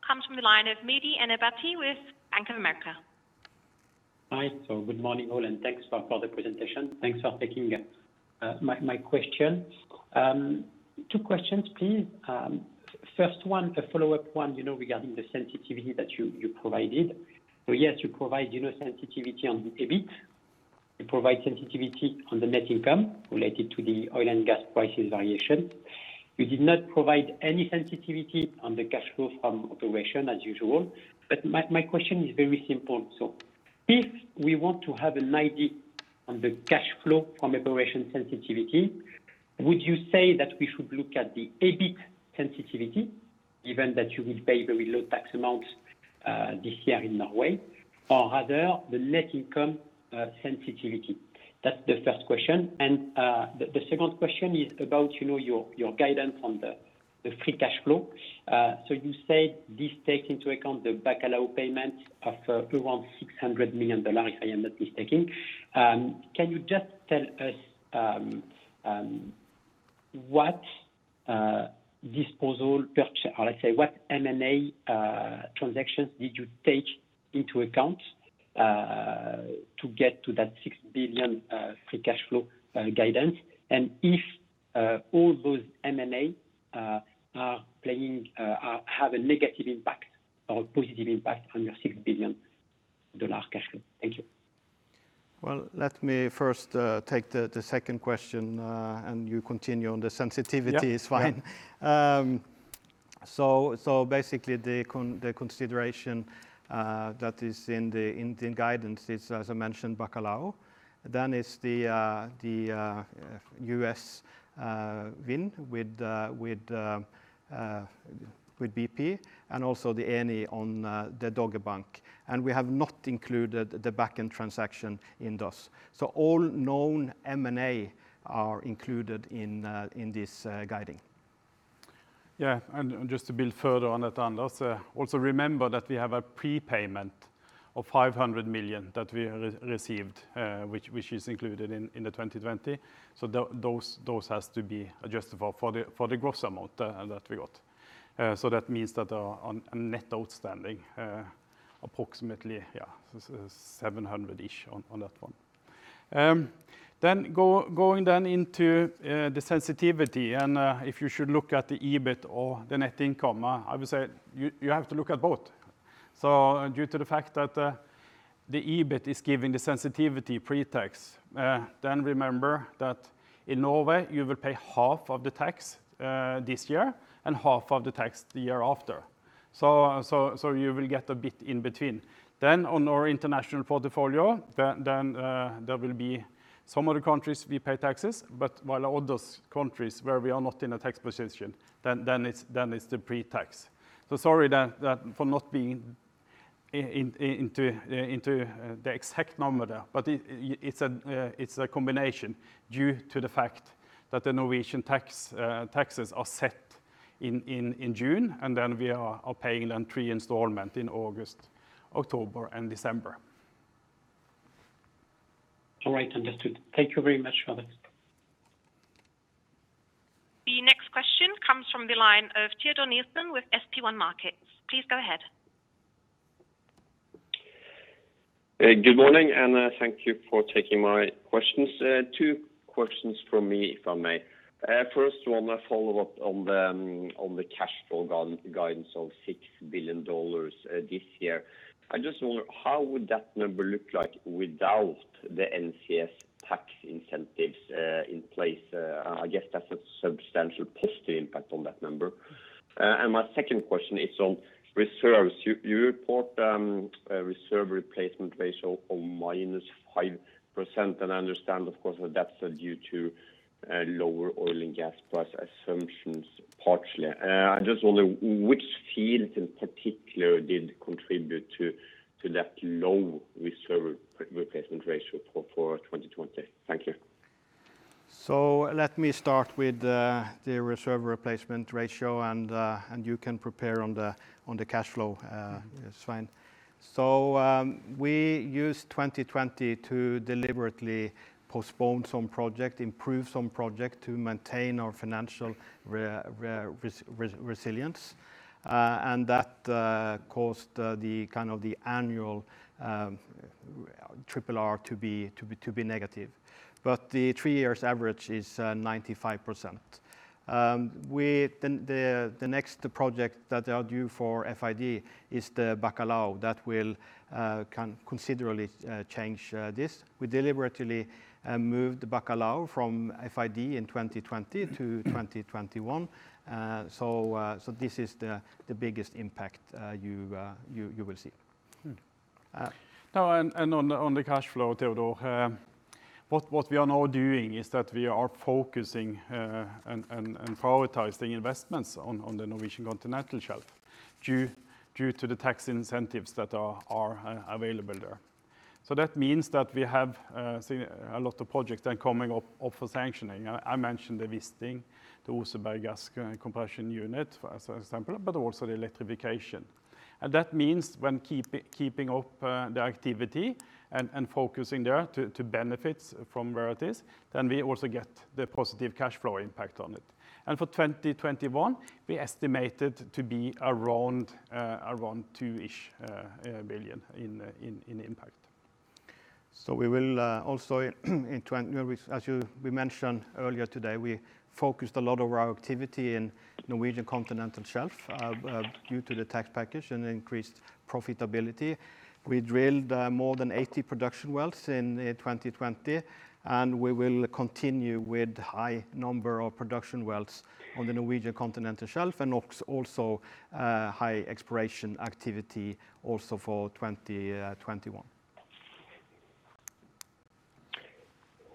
comes from the line of Mehdi Ennebati with Bank of America. Hi. Good morning all, and thanks for the presentation. Thanks for taking my question. Two questions please. First one, a follow-up one regarding the sensitivity that you provided. Yes, you provide sensitivity on the EBIT. You provide sensitivity on the net income related to the oil and gas prices variation. You did not provide any sensitivity on the cash flow from operation as usual, but my question is very simple. If we want to have an idea on the cash flow from operation sensitivity, would you say that we should look at the EBIT sensitivity given that you will pay very low tax amounts this year in Norway or rather the net income sensitivity? That's the first question. The second question is about your guidance on the free cash flow. You said this takes into account the Bacalhau payment of around $600 million if I am not mistaken. Can you just tell us what M&A transactions did you take into account to get to that $6 billion free cash flow guidance? If all those M&A have a negative impact or positive impact on your $6 billion cash flow? Thank you. Well, let me first take the second question, and you continue on the sensitivity. Yeah. It's fine. Basically, the consideration that is in the guidance is, as I mentioned, Bacalhau. It's the U.S. wind with BP and also the Eni on the Dogger Bank. We have not included the Bakken transaction in those. All known M&A are included in this guiding. Just to build further on that, Anders. Also remember that we have a prepayment of $500 million that we received, which is included in the 2020. Those have to be adjusted for the gross amount that we got. That means that on net outstanding, approximately $700-ish million on that one. Going into the sensitivity, if you should look at the EBIT or the net income, I would say you have to look at both. Due to the fact that the EBIT is giving the sensitivity pre-tax, remember that in Norway you will pay half of the tax this year and half of the tax the year after. You will get a bit in between. On our international portfolio, then there will be some other countries we pay taxes, but while all those countries where we are not in a tax position, then it's the pre-tax. Sorry then for not being into the exact number there, but it's a combination due to the fact that the Norwegian taxes are set in June, and then we are paying then three installments in August, October and December. All right. Understood. Thank you very much, Anders. The next question comes from the line of Teodor Nilsen with SB1 Markets. Please go ahead. Good morning, and thank you for taking my questions. Two questions from me, if I may. First one, a follow-up on the cash flow guidance of $6 billion this year. I just wonder, how would that number look like without the NCS tax incentives in place? I guess that's a substantial positive impact on that number. My second question is on reserves. You report reserve replacement ratio of -5%, and I understand, of course, that that's due to lower oil and gas price assumptions, partially. I just wonder which fields in particular did contribute to that low reserve replacement ratio for 2020. Thank you. Let me start with the reserve replacement ratio, and you can prepare on the cash flow. It's fine. We used 2020 to deliberately postpone some project, improve some project to maintain our financial resilience. That caused the annual RRR to be negative. The three years average is 95%. The next project that are due for FID is the Bacalhau that will considerably change this. We deliberately moved Bacalhau from FID in 2020 to 2021. This is the biggest impact you will see. On the cash flow, Teodor, what we are now doing is that we are focusing and prioritizing investments on the Norwegian continental shelf due to the tax incentives that are available there. That means that we have seen a lot of projects then coming up for sanctioning. I mentioned the Wisting, the Oseberg compression unit, for example, but also the electrification. That means when keeping up the activity and focusing there to benefit from where it is, then we also get the positive cash flow impact on it. For 2021, we estimate it to be around $2-ish billion in impact. We will also, as we mentioned earlier today, we focused a lot of our activity in Norwegian continental shelf due to the tax package and increased profitability. We drilled more than 80 production wells in 2020, and we will continue with high number of production wells on the Norwegian continental shelf and also high exploration activity also for 2021.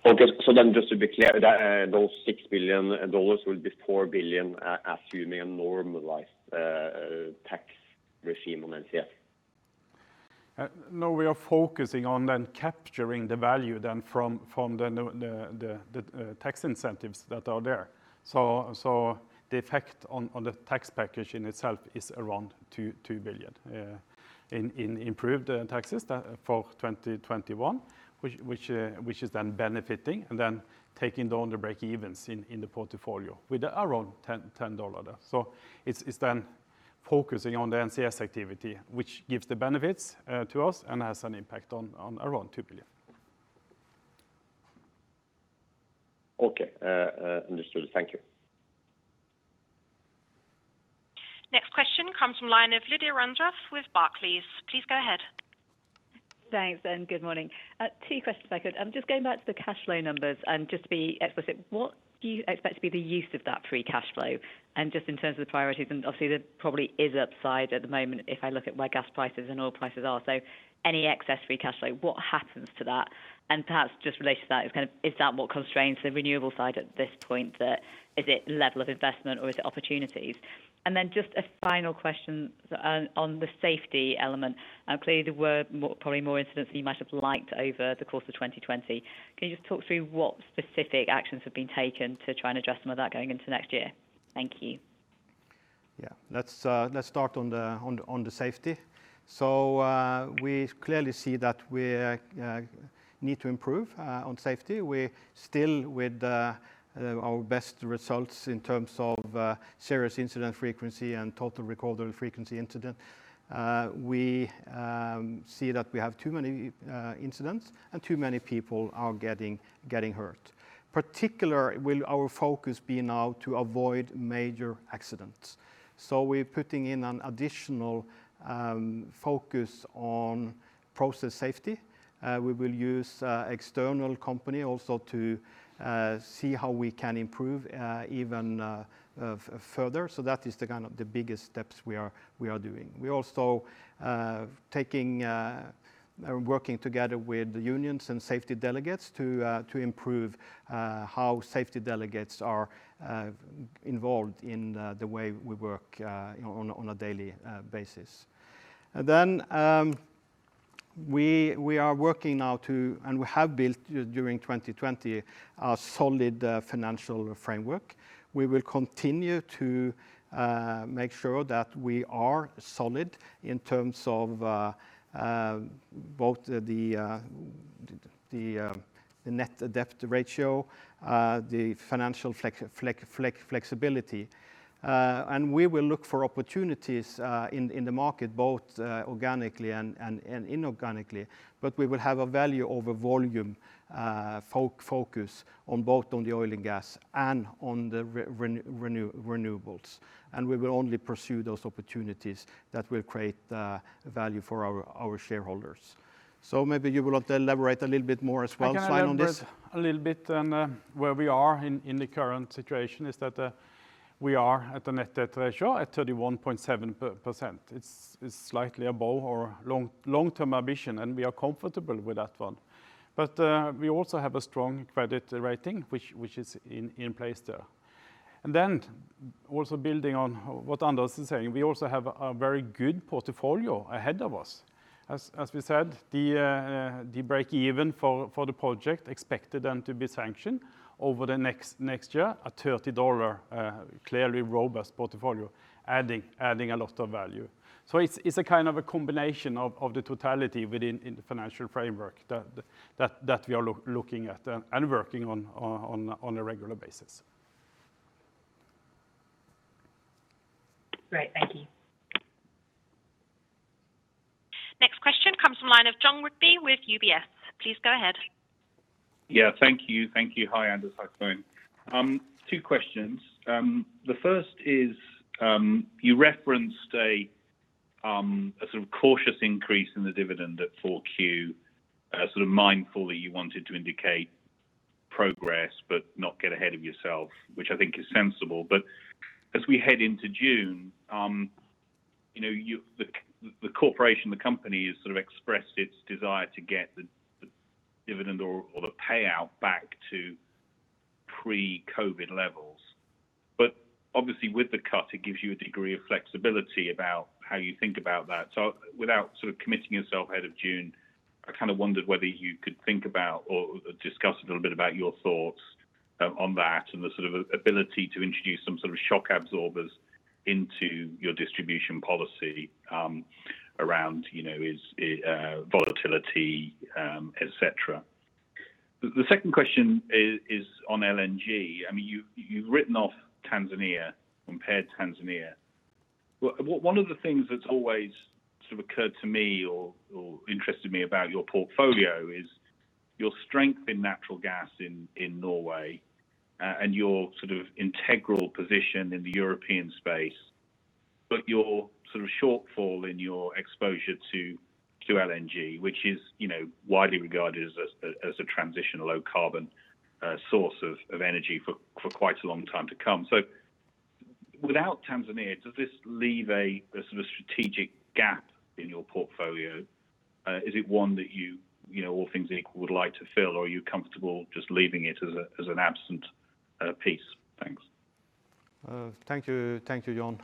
Just to be clear, those $6 billion will be $4 billion assuming a normalized tax regime on NCS? We are focusing on capturing the value from the tax incentives that are there. The effect on the tax package in itself is around $2 billion in improved taxes for 2021, which is benefiting and taking down the breakevens in the portfolio with around $10 there. It's focusing on the NCS activity, which gives the benefits to us and has an impact on around $2 billion. Okay. Understood. Thank you. Comes from line of Lydia Rainforth with Barclays. Please go ahead. Thanks, and good morning. Two questions, if I could. Just going back to the cash flow numbers and just to be explicit, what do you expect to be the use of that free cash flow? Just in terms of the priorities, and obviously there probably is upside at the moment if I look at where gas prices and oil prices are. Any excess free cash flow, what happens to that? Perhaps just related to that, is that what constrains the renewable side at this point? Is it level of investment or is it opportunities? Just a final question on the safety element. Clearly there were probably more incidents than you might have liked over the course of 2020. Can you just talk through what specific actions have been taken to try and address some of that going into next year? Thank you. Yeah. Let's start on the safety. We clearly see that we need to improve on safety. We're still with our best results in terms of serious incident frequency and total recordable frequency incident. We see that we have too many incidents and too many people are getting hurt. Particular will our focus be now to avoid major accidents. We're putting in an additional focus on process safety. We will use external company also to see how we can improve even further. That is the biggest steps we are doing. We're also working together with the unions and safety delegates to improve how safety delegates are involved in the way we work on a daily basis. We have built during 2020, a solid financial framework. We will continue to make sure that we are solid in terms of both the net debt ratio, the financial flexibility. We will look for opportunities in the market, both organically and inorganically. We will have a value over volume focus on both on the oil and gas and on the renewables. We will only pursue those opportunities that will create value for our shareholders. Maybe you will have to elaborate a little bit more as well, Svein, on this. I can elaborate a little bit on where we are in the current situation is that we are at a net debt ratio at 31.7%. It's slightly above our long-term ambition. We are comfortable with that one. We also have a strong credit rating, which is in place there. Building on what Anders is saying, we also have a very good portfolio ahead of us. As we said, the breakeven for the project expected and to be sanctioned over the next year, at $30, clearly robust portfolio, adding a lot of value. It's a kind of a combination of the totality within the financial framework that we are looking at and working on a regular basis. Great. Thank you. Next question comes from line of Jon Rigby with UBS. Please go ahead. Yeah. Thank you. Hi, Anders. Hi, Svein. Two questions. The first is you referenced a sort of cautious increase in the dividend at 4Q, sort of mindful that you wanted to indicate progress but not get ahead of yourself, which I think is sensible. As we head into June, the corporation, the company has sort of expressed its desire to get the dividend or the payout back to pre-COVID levels. Obviously with the cut, it gives you a degree of flexibility about how you think about that. Without committing yourself ahead of June, I kind of wondered whether you could think about or discuss a little bit about your thoughts on that and the sort of ability to introduce some sort of shock absorbers into your distribution policy around volatility, et cetera. The second question is on LNG. You've written off Tanzania, impaired Tanzania. One of the things that's always sort of occurred to me or interested me about your portfolio is your strength in natural gas in Norway and your sort of integral position in the European space, but your sort of shortfall in your exposure to LNG, which is widely regarded as a transitional low carbon source of energy for quite a long time to come. Without Tanzania, does this leave a sort of strategic gap in your portfolio? Is it one that you, all things equal, would like to fill, or are you comfortable just leaving it as an absent piece? Thanks. Thank you, Jon.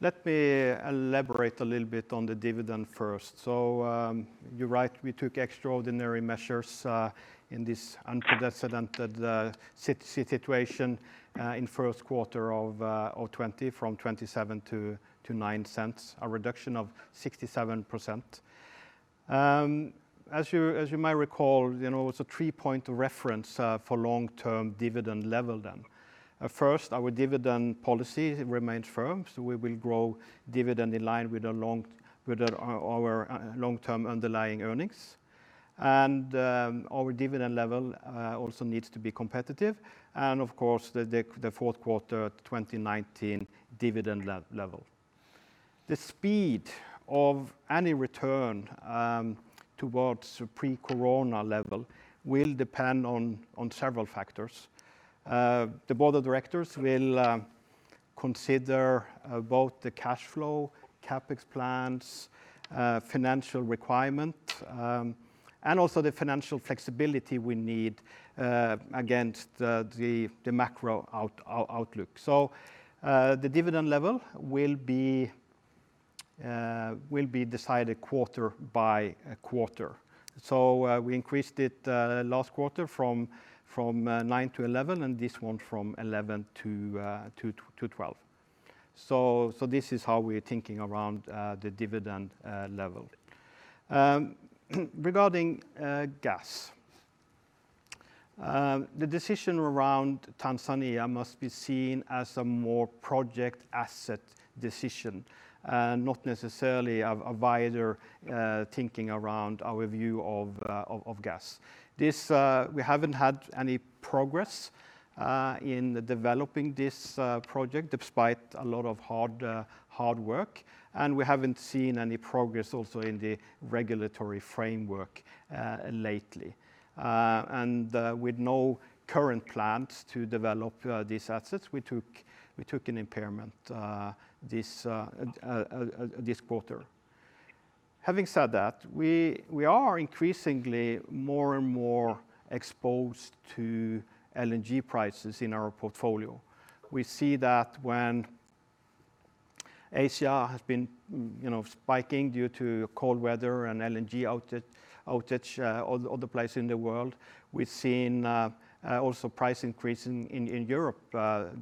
Let me elaborate a little bit on the dividend first. You're right, we took extraordinary measures in this unprecedented situation in first quarter of 2020 from $0.27 to $0.09, a reduction of 67%. As you might recall, it's a three-point reference for long-term dividend level. First, our dividend policy remains firm, we will grow dividend in line with our long-term underlying earnings. Our dividend level also needs to be competitive, and of course, the fourth quarter 2019 dividend level. The speed of any return towards pre-corona level will depend on several factors. The Board of Directors will consider both the cash flow, CapEx plans, financial requirement, and also the financial flexibility we need against the macro outlook. The dividend level will be decided quarter by quarter. We increased it last quarter from $0.09 To $0.11, and this one from $0.11 to $0.12. This is how we are thinking around the dividend level. Regarding gas, the decision around Tanzania must be seen as a more project asset decision, and not necessarily a wider thinking around our view of gas. We have not had any progress in developing this project despite a lot of hard work, and we have not seen any progress also in the regulatory framework lately. With no current plans to develop these assets, we took an impairment this quarter. Having said that, we are increasingly more and more exposed to LNG prices in our portfolio. We see that when Asia has been spiking due to cold weather and LNG outage other places in the world. We have seen also price increase in Europe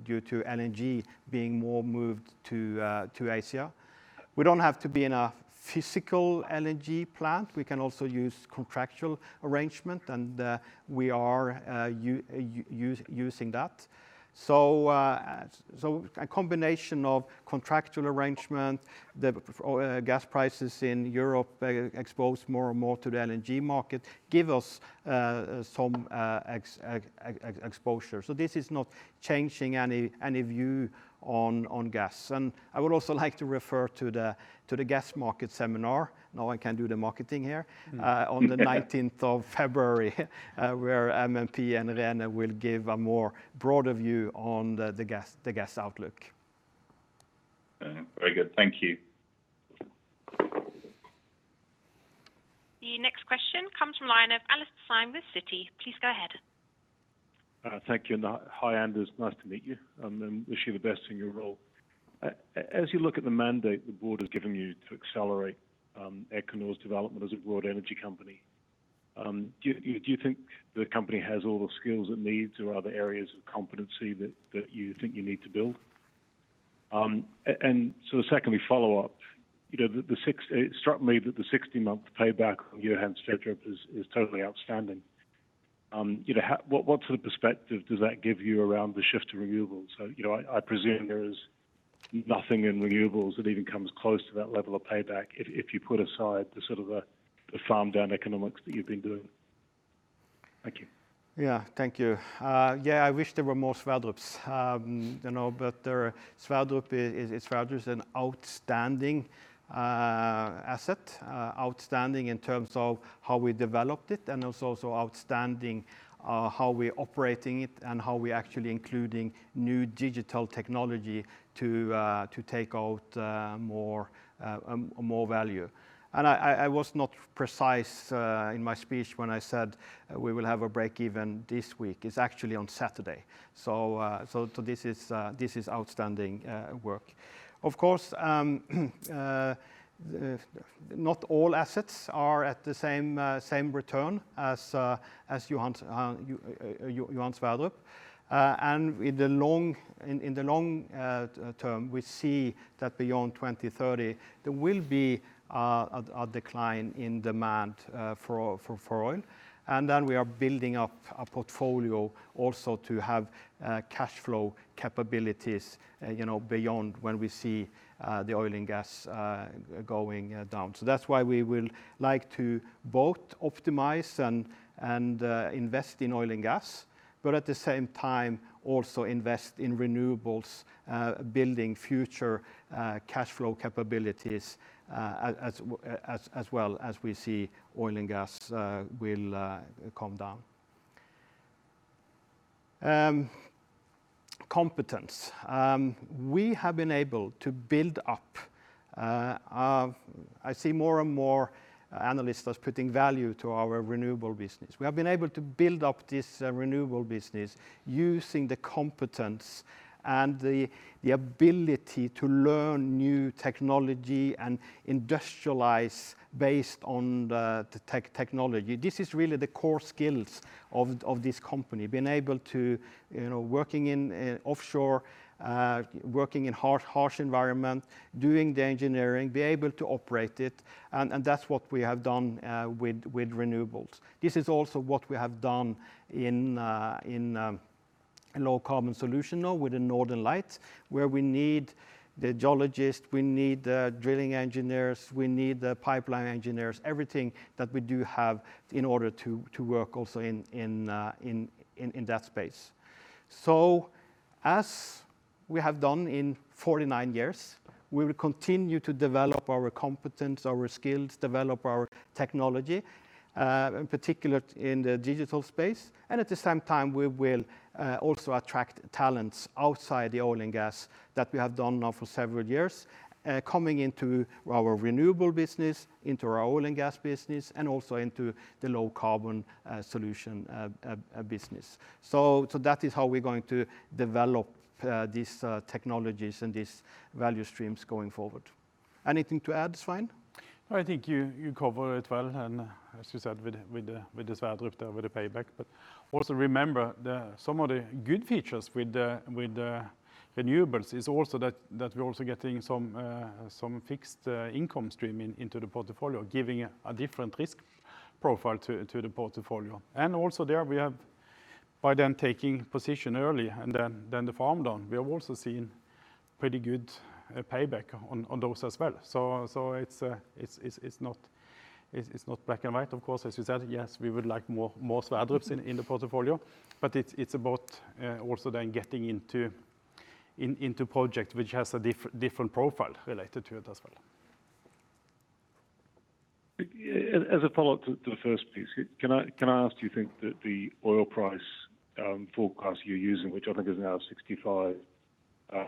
due to LNG being more moved to Asia. We don't have to be in a physical LNG plant. We can also use contractual arrangement. We are using that. A combination of contractual arrangement, gas prices in Europe exposed more and more to the LNG market give us some exposure. This is not changing any view on gas. I would also like to refer to the gas market seminar. Now I can do the marketing here. On the 19th of February, where MMP and Irene will give a more broader view on the gas outlook. Very good. Thank you. The next question comes from the line of Alastair Syme with Citi. Please go ahead. Thank you. Hi, Anders. Nice to meet you and wish you the best in your role. As you look at the mandate the Board has given you to accelerate Equinor's development as a broad energy company, do you think the company has all the skills it needs or are there areas of competency that you think you need to build? Secondly, follow-up, it struck me that the 60-month payback on Johan Sverdrup is totally outstanding. What sort of perspective does that give you around the shift to renewables? I presume there is nothing in renewables that even comes close to that level of payback if you put aside the sort of the farmed-down economics that you've been doing. Thank you. Yeah. Thank you. I wish there were more Sverdrups. Sverdrup is an outstanding asset. Outstanding in terms of how we developed it, and also outstanding how we're operating it and how we actually including new digital technology to take out more value. I was not precise in my speech when I said we will have a break-even this week. It's actually on Saturday. This is outstanding work. Of course, not all assets are at the same return as Johan Sverdrup. In the long term, we see that beyond 2030, there will be a decline in demand for oil. Then we are building up a portfolio also to have cash flow capabilities beyond when we see the oil and gas going down. That's why we will like to both optimize and invest in oil and gas, but at the same time also invest in renewables, building future cash flow capabilities as well as we see oil and gas will come down. Competence. We have been able to build up. I see more and more analysts as putting value to our renewable business. We have been able to build up this renewable business using the competence and the ability to learn new technology and industrialize based on the technology. This is really the core skills of this company, being able to working in offshore, working in harsh environment, doing the engineering, be able to operate it, and that's what we have done with renewables. This is also what we have done in a low-carbon solution now with the Northern Lights, where we need the geologists, we need the drilling engineers, we need the pipeline engineers, everything that we do have in order to work also in that space. As we have done in 49 years, we will continue to develop our competence, our skills, develop our technology, in particular in the digital space. At the same time, we will also attract talents outside the oil and gas that we have done now for several years, coming into our renewable business, into our oil and gas business, and also into the low-carbon solution business. That is how we're going to develop these technologies and these value streams going forward. Anything to add, Svein? No, I think you cover it well, and as you said, with the Sverdrup, with the payback. Also remember, some of the good features with the renewables is also that we're also getting some fixed income streaming into the portfolio, giving a different risk profile to the portfolio. Also there we have, by then taking position early, and then the farm down, we have also seen pretty good payback on those as well. It's not black and white, of course, as you said. Yes, we would like more Sverdrups in the portfolio, but it's about also then getting into projects which has a different profile related to it as well. As a follow-up to the first piece, can I ask, do you think that the oil price forecast you're using, which I think is now $65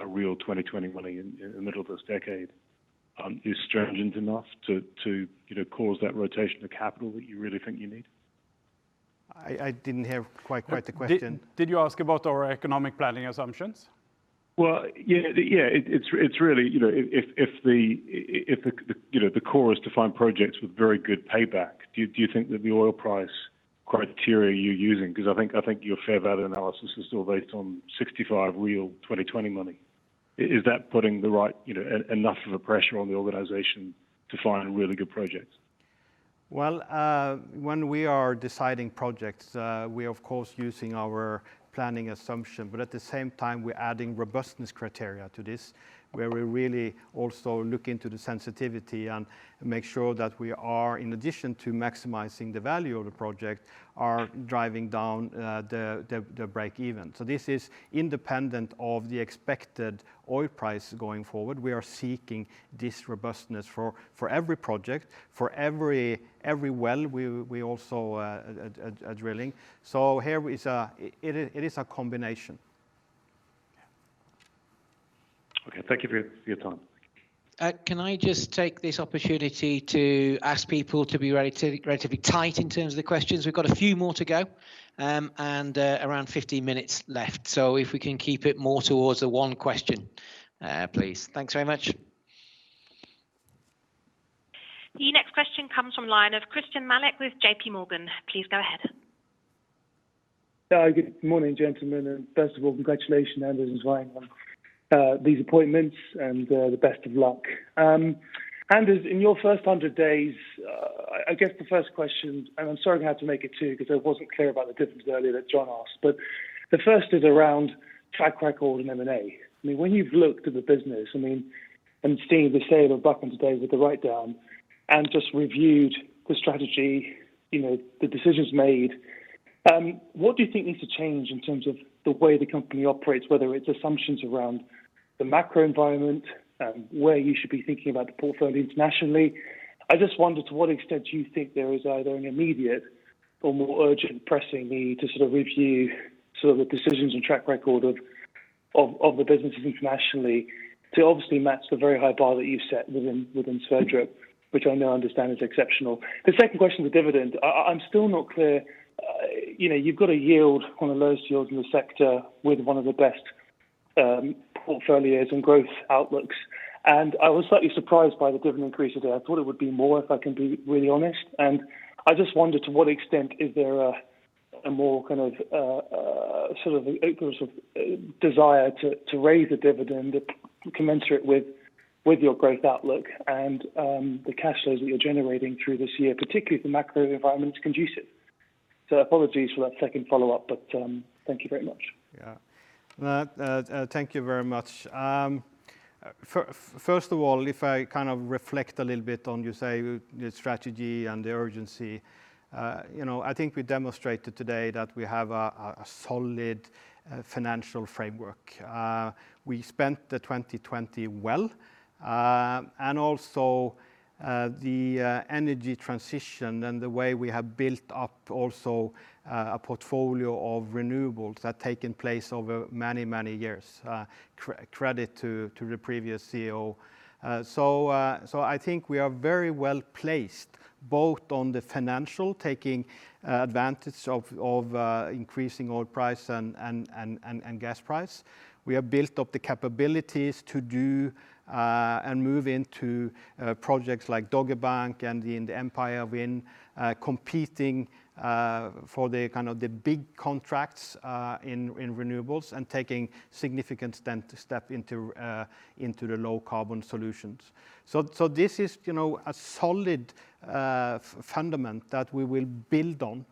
real 2020 money in the middle of this decade, is stringent enough to cause that rotation of capital that you really think you need? I didn't hear quite the question. Did you ask about our economic planning assumptions? Well, yeah. It's really if the core is to find projects with very good payback, do you think that the oil price criteria you're using, because I think your fair value analysis is still based on $65 real 2020 money? Is that putting enough of a pressure on the organization to find really good projects? Well, when we are deciding projects, we're of course using our planning assumption, but at the same time, we're adding robustness criteria to this, where we're really also look into the sensitivity and make sure that we are, in addition to maximizing the value of the project, are driving down the break-even. This is independent of the expected oil price going forward. We are seeking this robustness for every project, for every well we also are drilling. Here, it is a combination. Okay, thank you for your time. Can I just take this opportunity to ask people to be relatively tight in terms of the questions? We've got a few more to go, and around 15 minutes left. If we can keep it more towards the one question, please. Thanks very much. The next question comes from line of Christyan Malek with JPMorgan. Please go ahead. Good morning, gentlemen, first of all, congratulations, Anders and Svein, on these appointments and the best of luck. Anders, in your first 100 days, I guess the first question, I'm sorry I'm going to have to make it two because I wasn't clear about the difference earlier that Jon asked. The first is around track record and M&A. When you've looked at the business, and seeing the sale of Bakken today with the write-down, and just reviewed the strategy, the decisions made, what do you think needs to change in terms of the way the company operates, whether it's assumptions around the macro environment, where you should be thinking about the portfolio internationally? I just wonder to what extent do you think there is either an immediate or more urgent pressing need to sort of review the decisions and track record of the businesses internationally to obviously match the very high bar that you've set within Sverdrup, which I now understand is exceptional. The second question is the dividend. I'm still not clear. You've got a yield, one of the lowest yields in the sector with one of the best portfolios and growth outlooks, and I was slightly surprised by the dividend increase today. I thought it would be more, if I can be really honest, and I just wonder to what extent is there a more kind of desire to raise the dividend commensurate with your growth outlook and the cash flows that you're generating through this year, particularly if the macro environment is conducive. Apologies for that second follow-up, but thank you very much. Yeah. Thank you very much. First of all, if I kind of reflect a little bit on, you say, the strategy and the urgency, I think we demonstrated today that we have a solid financial framework. We spent the 2020 well, and also the energy transition and the way we have built up also a portfolio of renewables that taken place over many, many years. Credit to the previous CEO. I think we are very well placed, both on the financial, taking advantage of increasing oil price and gas price. We have built up the capabilities to do and move into projects like Dogger Bank and the Empire Wind, competing for the big contracts in renewables and taking significant step into the low-carbon solutions. This is a solid fundament that we will build on.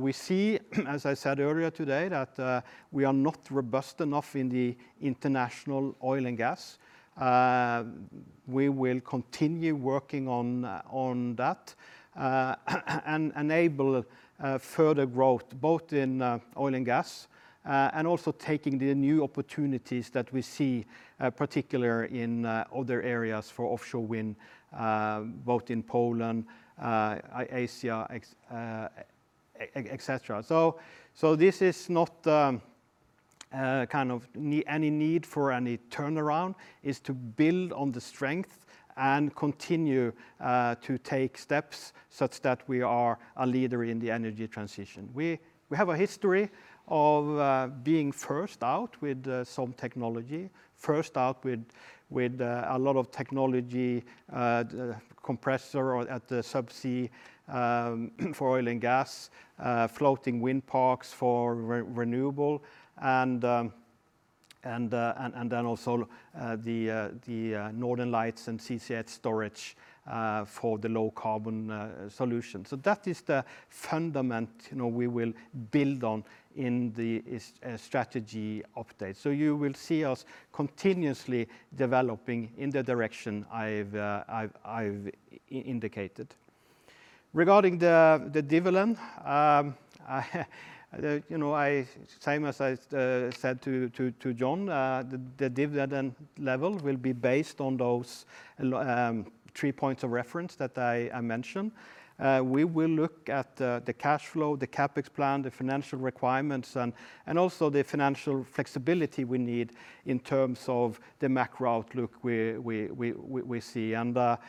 We see, as I said earlier today, that we are not robust enough in the international oil and gas. We will continue working on that and enable further growth both in oil and gas and also taking the new opportunities that we see, particular in other areas for offshore wind, both in Poland, Asia, et cetera. This is not any need for any turnaround is to build on the strength and continue to take steps such that we are a leader in the energy transition. We have a history of being first out with some technology, first out with a lot of technology, compressor at the subsea for oil and gas, floating wind parks for renewable and then also the Northern Lights and CCS storage for the low carbon solution. That is the fundament we will build on in the strategy update. You will see us continuously developing in the direction I've indicated. Regarding the dividend, same as I said to Jon, the dividend level will be based on those three points of reference that I mentioned. We will look at the cash flow, the CapEx plan, the financial requirements, and also the financial flexibility we need in terms of the macro outlook we see. But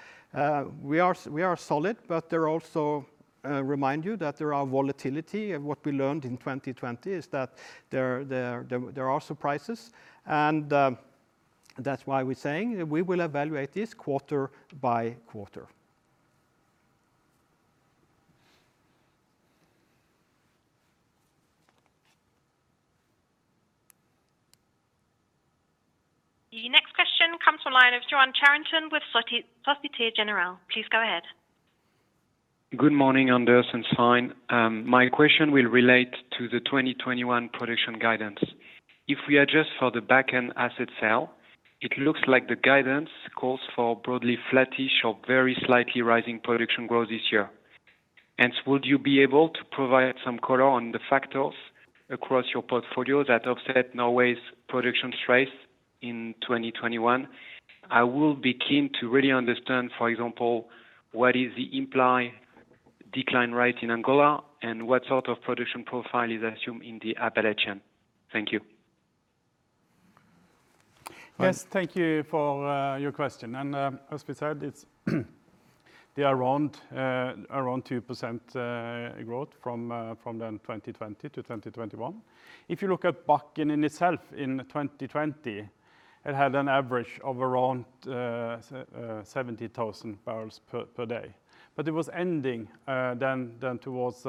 also remind you that there are volatility. What we learned in 2020 is that there are surprises and that's why we're saying we will evaluate this quarter by quarter. The next question comes from line of Yoann Charenton with Société Générale. Please go ahead. Good morning, Anders and Svein. My question will relate to the 2021 production guidance. If we adjust for the Bakken asset sale, it looks like the guidance calls for broadly flattish or very slightly rising production growth this year. Would you be able to provide some color on the factors across your portfolio that offset Norway's production strength in 2021? I will be keen to really understand, for example, what is the implied decline rate in Angola and what sort of production profile is assumed in the Appalachian. Thank you. Yes. Thank you for your question. As we said, it's the around 2% growth from the end 2020 to 2021. If you look at Bakken in itself in 2020, it had an average of around 70,000 barrels per day. It was ending then towards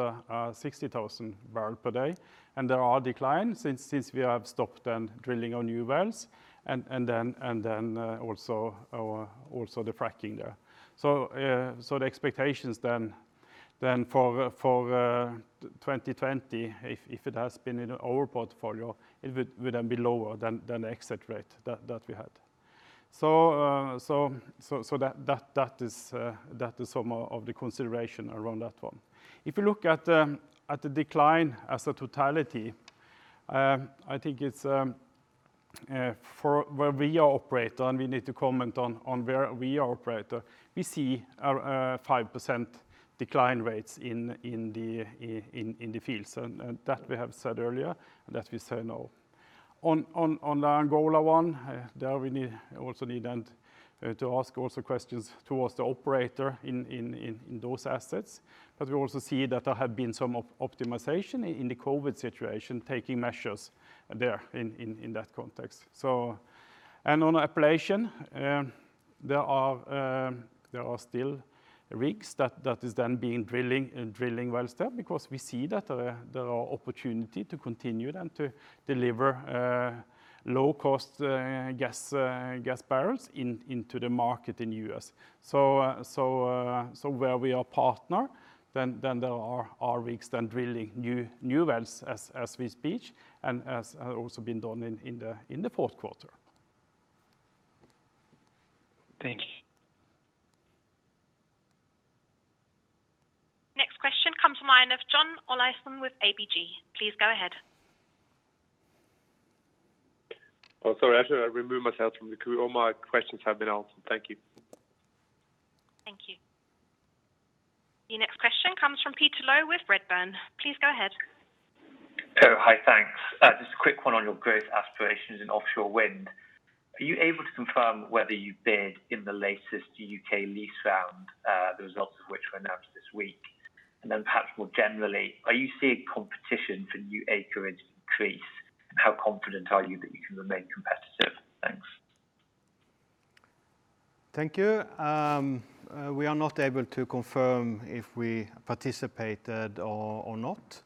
60,000 barrel per day. There are declines since we have stopped then drilling on new wells and then also the fracking there. The expectations then for 2020, if it has been in our portfolio, it would then be lower than the exit rate that we had. That is some of the consideration around that one. If you look at the decline as a totality, I think where we are operator, and we need to comment on where we are operator, we see a 5% decline rates in the fields. That we have said earlier and that we say now. On the Angola one, there we also need then to ask also questions towards the operator in those assets, because we also see that there have been some optimization in the COVID situation, taking measures there in that context. On Appalachian, there are still rigs that is then being drilling wells there because we see that there are opportunity to continue then to deliver low cost gas barrels into the market in U.S. Where we are partner, then there are rigs then drilling new wells as we speak and as also been done in the fourth quarter. Thank you. Next question comes from line of John Olaisen with ABG. Please go ahead. Oh, sorry. Actually, I remove myself from the queue. All my questions have been answered. Thank you. Thank you. The next question comes from Peter Low with Redburn. Please go ahead. Oh, hi. Thanks. Just a quick one on your growth aspirations in offshore wind. Are you able to confirm whether you bid in the latest U.K. lease round, the results of which were announced this week? Perhaps more generally, are you seeing competition for new acreage increase, and how confident are you that you can remain competitive? Thanks. Thank you. We are not able to confirm if we participated or not,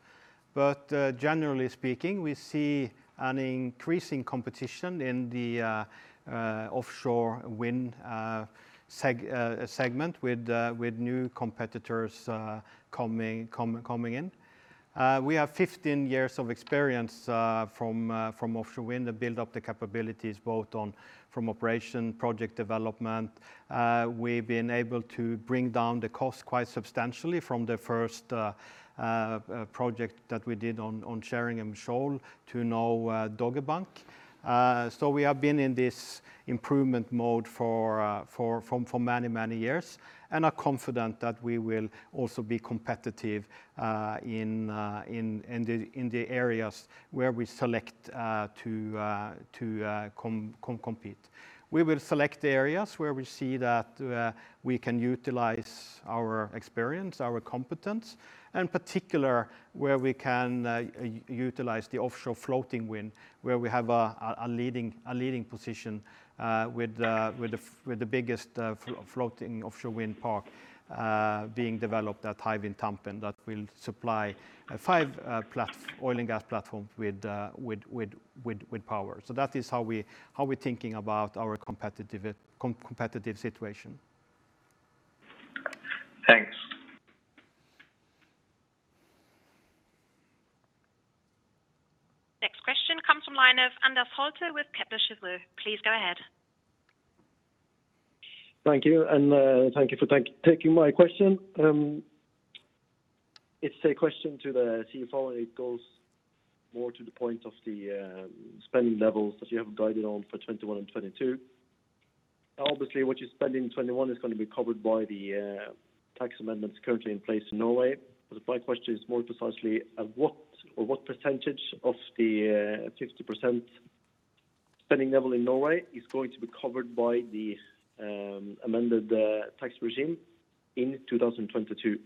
generally speaking, we see an increasing competition in the offshore wind segment with new competitors coming in. We have 15 years of experience from offshore wind to build up the capabilities both from operation, project development. We've been able to bring down the cost quite substantially from the first project that we did on Sheringham Shoal to now Dogger Bank. We have been in this improvement mode for many years and are confident that we will also be competitive in the areas where we select to compete. We will select areas where we see that we can utilize our experience, our competence, and particular where we can utilize the offshore floating wind, where we have a leading position with the biggest floating offshore wind park being developed at Hywind Tampen that will supply five oil and gas platforms with power. That is how we're thinking about our competitive situation. Thanks. Next question comes from line of Anders Holte with Kepler Cheuvreux. Please go ahead. Thank you. Thank you for taking my question. It's a question to the CFO. It goes more to the point of the spending levels that you have guided on for 2021 and 2022. Obviously, what you spend in 2021 is going to be covered by the tax amendments currently in place in Norway. My question is more precisely at what percentage of the 50% spending level in Norway is going to be covered by the amended tax regime in 2022?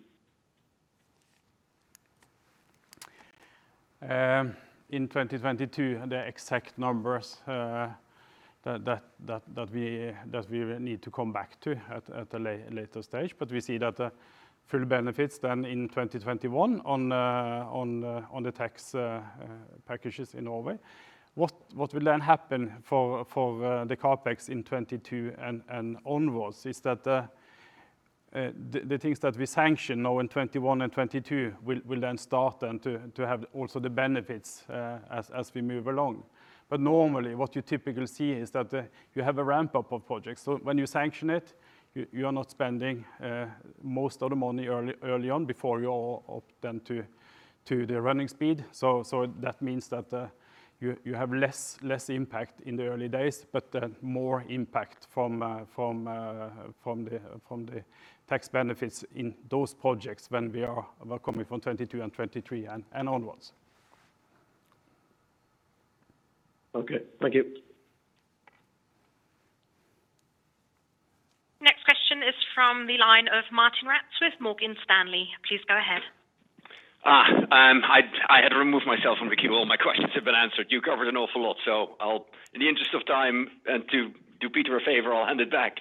In 2022, the exact numbers that we will need to come back to at a later stage. We see that full benefits then in 2021 on the tax packages in Norway. What will then happen for the CapEx in 2022 and onwards is that the things that we sanction now in 2021 and 2022 will then start and to have also the benefits as we move along. Normally, what you typically see is that you have a ramp-up of projects. When you sanction it, you are not spending most of the money early on before you opt then to the running speed. That means that you have less impact in the early days, but then more impact from the tax benefits in those projects when we are welcoming from 2022 and 2023 and onwards. Okay. Thank you. Next question is from the line of Martijn Rats with Morgan Stanley. Please go ahead. I had removed myself from the queue. All my questions have been answered. You covered an awful lot. In the interest of time and to do Peter a favor, I'll hand it back.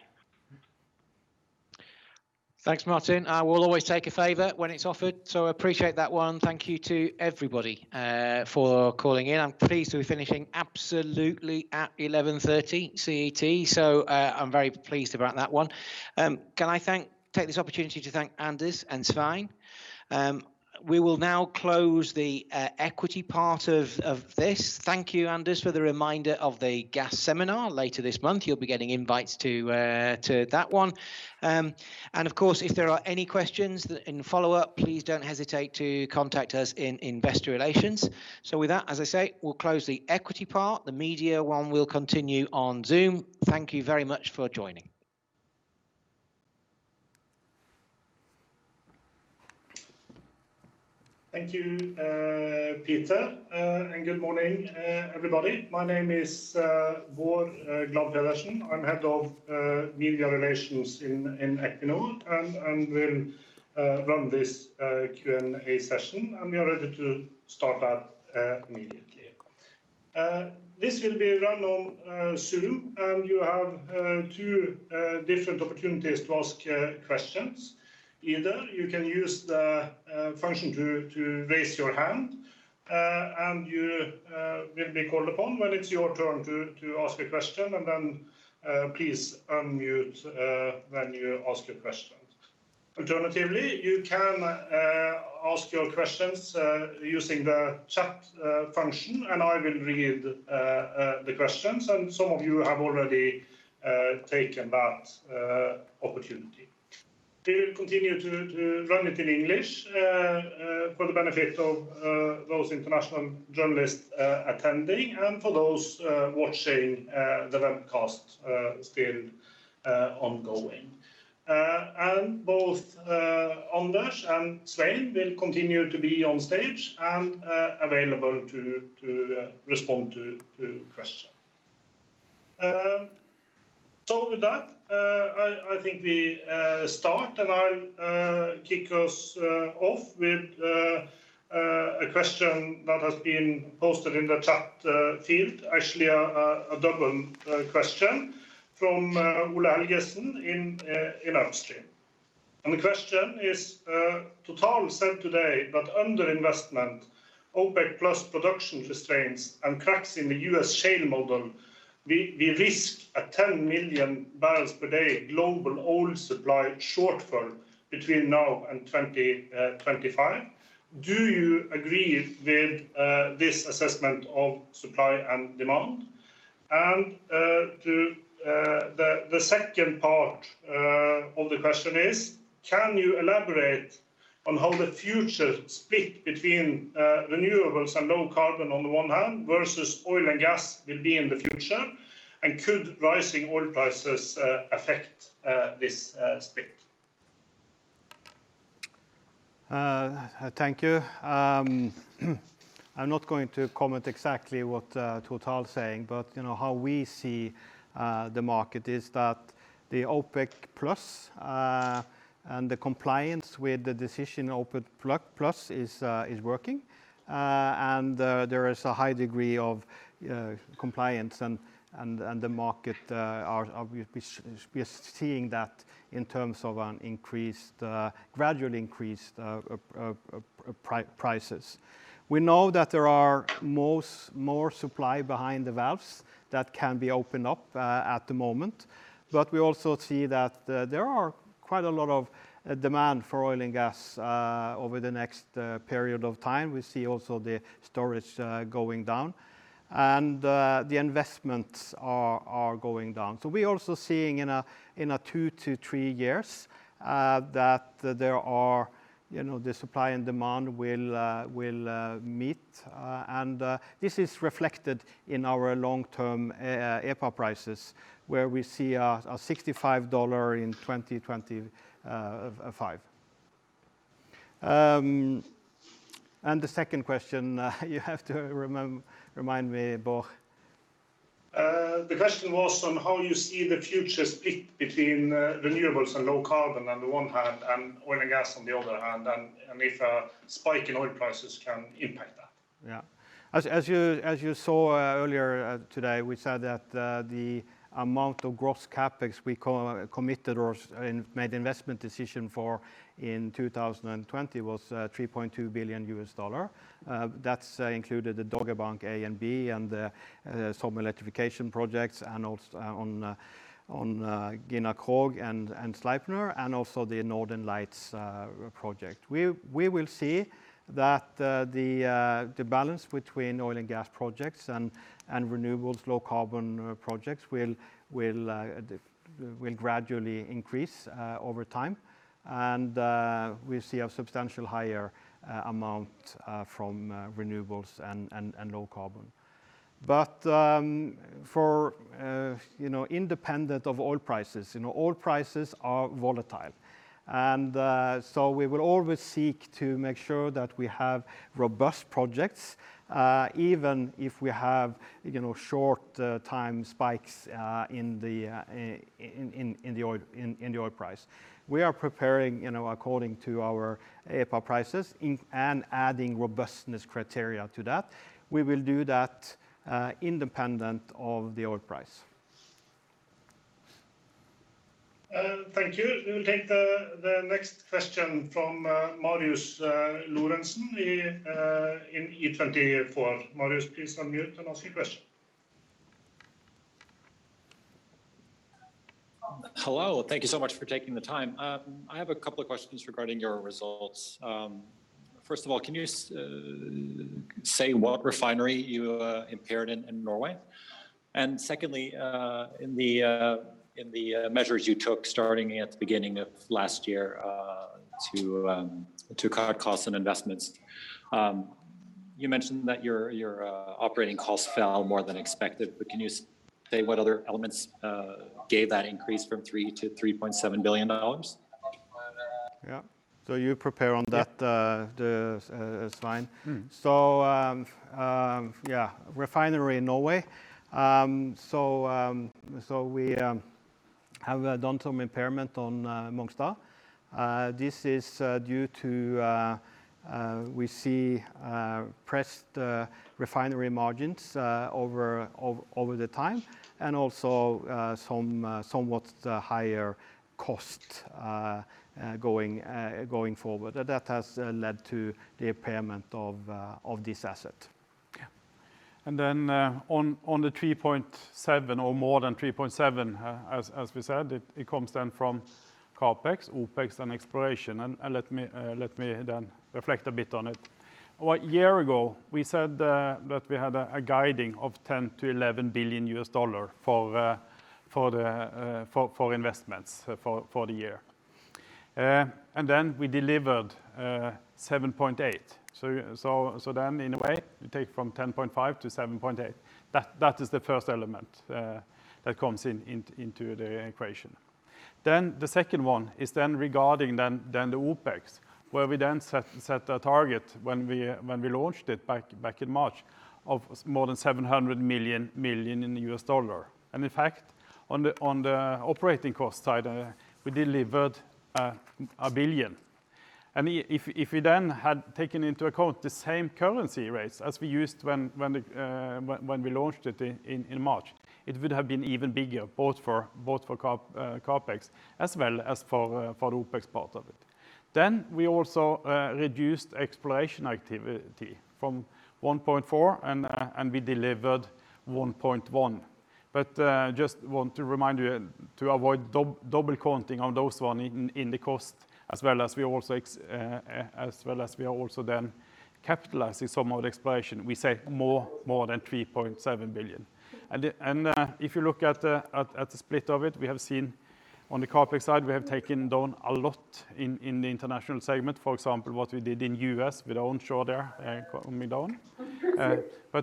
Thanks, Martijn. I will always take a favor when it's offered, so I appreciate that one. Thank you to everybody for calling in. I'm pleased to be finishing absolutely at 11:30 CET, so I'm very pleased about that one. Can I take this opportunity to thank Anders and Svein? We will now close the equity part of this. Thank you, Anders, for the reminder of the gas seminar later this month. You'll be getting invites to that one. Of course, if there are any questions in follow-up, please don't hesitate to contact us in investor relations. With that, as I say, we'll close the equity part. The media one will continue on Zoom. Thank you very much for joining. Thank you, Peter, and good morning everybody. My name is Bård Glad Pedersen. I'm Head of Media Relations in Equinor, and will run this Q&A session. We are ready to start that immediately. This will be run on Zoom, and you have two different opportunities to ask questions. Either you can use the function to raise your hand, and you will be called upon when it's your turn to ask a question, and then please unmute when you ask your questions. Alternatively, you can ask your questions using the chat function, and I will read the questions, and some of you have already taken that opportunity. We will continue to run it in English for the benefit of those international journalists attending and for those watching the webcast still ongoing. Both Anders and Svein will continue to be on stage and available to respond to questions. With that, I think we start. I'll kick us off with a question that has been posted in the chat field. Actually, a double question from Ole Helgesen in Upstream. The question is, "Total said today that underinvestment, OPEC Plus production restraints and cracks in the U.S. shale model, we risk a 10 million barrels per day global oil supply shortfall between now and 2025. Do you agree with this assessment of supply and demand?" The second part of the question is, can you elaborate on how the future split between renewables and low carbon on the one hand versus oil and gas will be in the future? Could rising oil prices affect this split? Thank you. I'm not going to comment exactly what Total is saying, but how we see the market is that the OPEC Plus and the compliance with the decision OPEC Plus is working. There is a high degree of compliance and we are seeing that in terms of gradually increased prices. We know that there are more supply behind the valves that can be opened up at the moment. We also see that there are quite a lot of demand for oil and gas over the next period of time. We see also the storage going down and the investments are going down. We're also seeing in two to three years that the supply and demand will meet. This is reflected in our long-term EPA prices where we see a $65 in 2025. The second question you have to remind me, Bård. The question was on how you see the future split between renewables and low carbon on the one hand, and oil and gas on the other hand, and if a spike in oil prices can impact that. Yeah. As you saw earlier today, we said that the amount of gross CapEx we committed or made investment decision for in 2020 was $3.2 billion. That included the Dogger Bank A and B and some electrification projects on Gina Krog and Sleipner and also the Northern Lights project. We will see that the balance between oil and gas projects and renewables low-carbon projects will gradually increase over time. We see a substantial higher amount from renewables and low carbon. For independent of oil prices, oil prices are volatile. We will always seek to make sure that we have robust projects even if we have short time spikes in the oil price. We are preparing according to our EPA prices and adding robustness criteria to that. We will do that independent of the oil price. Thank you. We will take the next question from Marius Lorentzen in E24. Marius, please unmute and ask your question. Hello, thank you so much for taking the time. I have a couple of questions regarding your results. First of all, can you say what refinery you impaired in Norway? Secondly, in the measures you took starting at the beginning of last year to cut costs and investments you mentioned that your operating costs fell more than expected, can you say what other elements gave that increase from $3 billion to $3.7 billion? Yeah. You prepare on that. Yeah The slide. Yeah. Refinery in Norway. We have done some impairment on Mongstad. This is due to we see pressed refinery margins over the time and also somewhat higher cost going forward. That has led to the impairment of this asset. Yeah. On the $3.7 billion or more than $3.7 billion, as we said, it comes then from CapEx, OpEx, and exploration. Let me then reflect a bit on it. A year ago, we said that we had a guiding of $10 billion-$11 billion for investments for the year. We delivered $7.8 billion. In a way, you take from $10.5 billion to $7.8 billion. That is the first element that comes into the equation. The second one is then regarding then the OpEx, where we then set a target when we launched it back in March of more than $700 million. In fact, on the operating cost side, we delivered $1 billion. If we then had taken into account the same currency rates as we used when we launched it in March, it would have been even bigger both for CapEx as well as for OpEx part of it. We also reduced exploration activity from $1.4 billion, and we delivered $1.1 billion. Just want to remind you to avoid double counting on those one in the cost, as well as we are also then capitalizing some of the exploration. We say more than $3.7 billion. If you look at the split of it, we have seen on the CapEx side, we have taken down a lot in the international segment. For example, what we did in U.S. with onshore there, and coming down.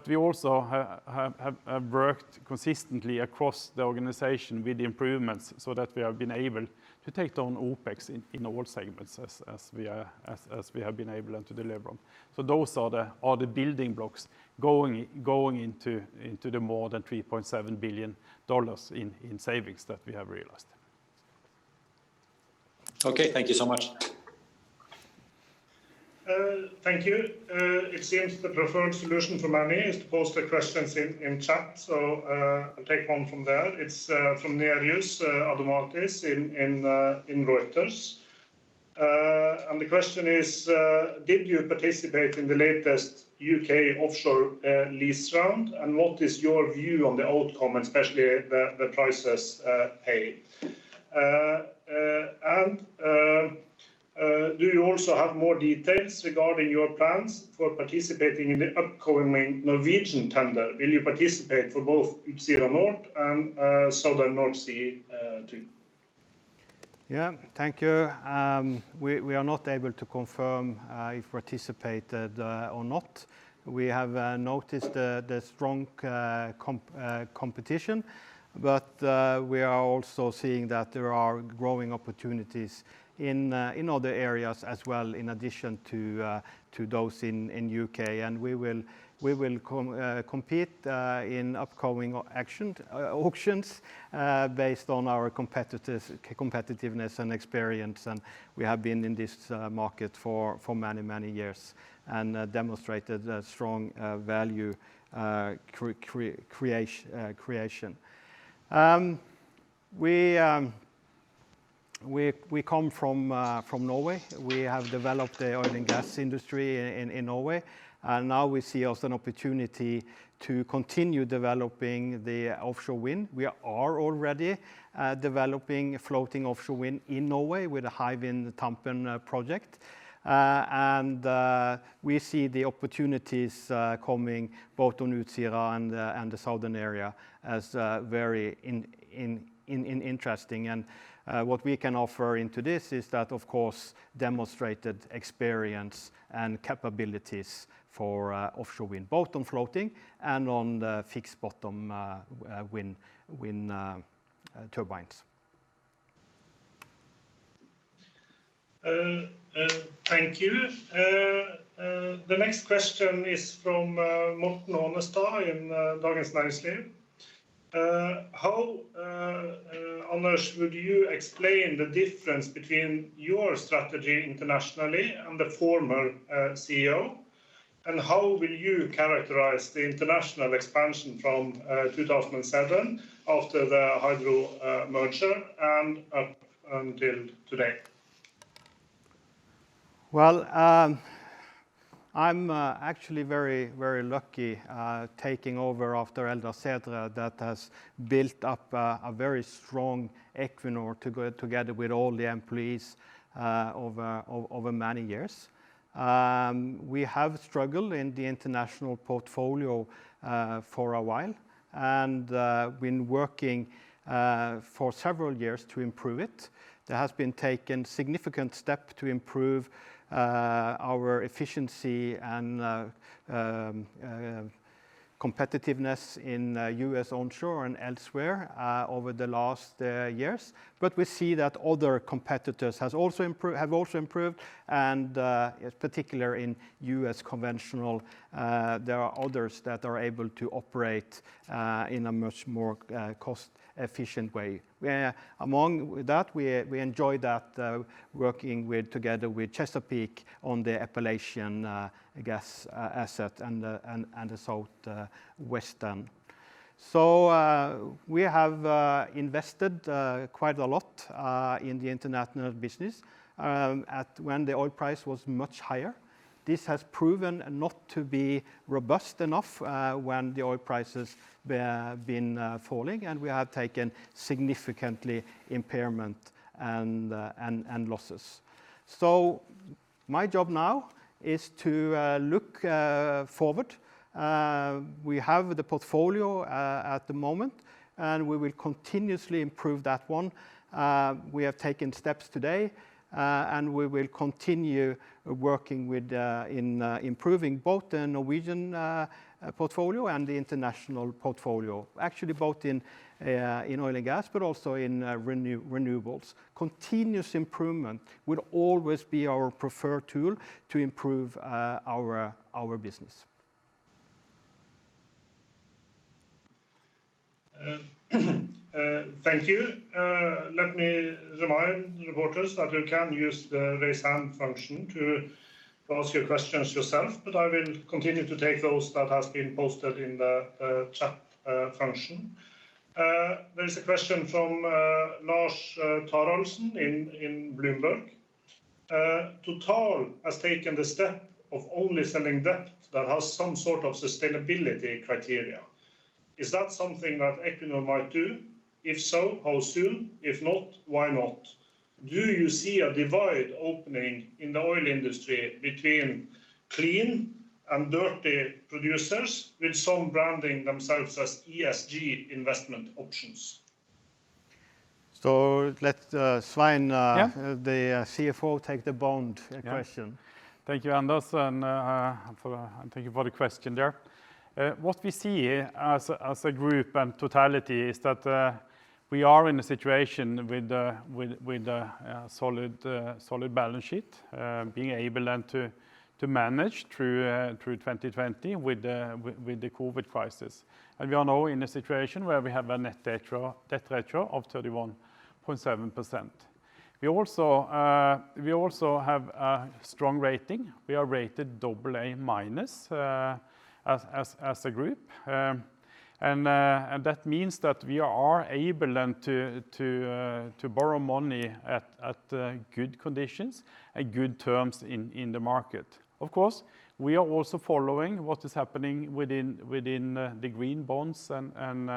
We also have worked consistently across the organization with improvements so that we have been able to take down OpEx in all segments as we have been able and to deliver on. Those are the building blocks going into the more than $3.7 billion in savings that we have realized. Okay. Thank you so much. Thank you. It seems the preferred solution for many is to post their questions in chat. I'll take one from there. It's from Nerijus Adomaitis in Reuters. The question is, did you participate in the latest U.K. offshore lease round, and what is your view on the outcome, especially the prices paid? Do you also have more details regarding your plans for participating in the upcoming Norwegian tender? Will you participate for both Utsira Nord and Southern North Sea 2? Yeah. Thank you. We are not able to confirm if we participated or not. We have noticed the strong competition, but we are also seeing that there are growing opportunities in other areas as well, in addition to those in U.K. We will compete in upcoming auctions based on our competitiveness and experience. We have been in this market for many years and demonstrated a strong value creation. We come from Norway. We have developed the oil and gas industry in Norway, and now we see also an opportunity to continue developing the offshore wind. We are already developing floating offshore wind in Norway with the Hywind Tampen project. We see the opportunities coming both on Utsira and the southern area as very interesting. What we can offer into this is that, of course, demonstrated experience and capabilities for offshore wind, both on floating and on the fixed bottom wind turbines. Thank you. The next question is from Morten Ånestad in Dagens Næringsliv. How, Anders, would you explain the difference between your strategy internationally and the former CEO? How will you characterize the international expansion from 2007 after the Hydro merger and up until today? I'm actually very lucky taking over after Eldar Sætre, that has built up a very strong Equinor together with all the employees over many years. We have struggled in the international portfolio for a while and been working for several years to improve it. There has been taken significant step to improve our efficiency and competitiveness in U.S. onshore and elsewhere over the last years. We see that other competitors have also improved and particular in U.S. conventional, there are others that are able to operate in a much more cost-efficient way. Among that, we enjoy that working together with Chesapeake on the Appalachian gas asset and the Southwestern. We have invested quite a lot in the international business when the oil price was much higher. This has proven not to be robust enough when the oil price has been falling, and we have taken significantly impairment and losses. My job now is to look forward. We have the portfolio at the moment, and we will continuously improve that one. We have taken steps today, and we will continue working in improving both the Norwegian portfolio and the international portfolio, actually both in oil and gas, but also in renewables. Continuous improvement will always be our preferred tool to improve our business. Thank you. Let me remind reporters that you can use the Raise Hand function to ask your questions yourself, but I will continue to take those that has been posted in the chat function. There is a question from Lars Taraldsen in Bloomberg. Total has taken the step of only selling debt that has some sort of sustainability criteria. Is that something that Equinor might do? If so, how soon? If not, why not? Do you see a divide opening in the oil industry between clean and dirty producers, with some branding themselves as ESG investment options? Let Svein, the CFO, take the bond question. Thank you, Anders, thank you for the question there. What we see as a group and totality is that we are in a situation with a solid balance sheet, being able then to manage through 2020 with the COVID crisis. We are now in a situation where we have a net debt ratio of 31.7%. We also have a strong rating. We are rated AA- as a group. That means that we are able then to borrow money at good conditions, at good terms in the market. Of course, we are also following what is happening within the green bonds and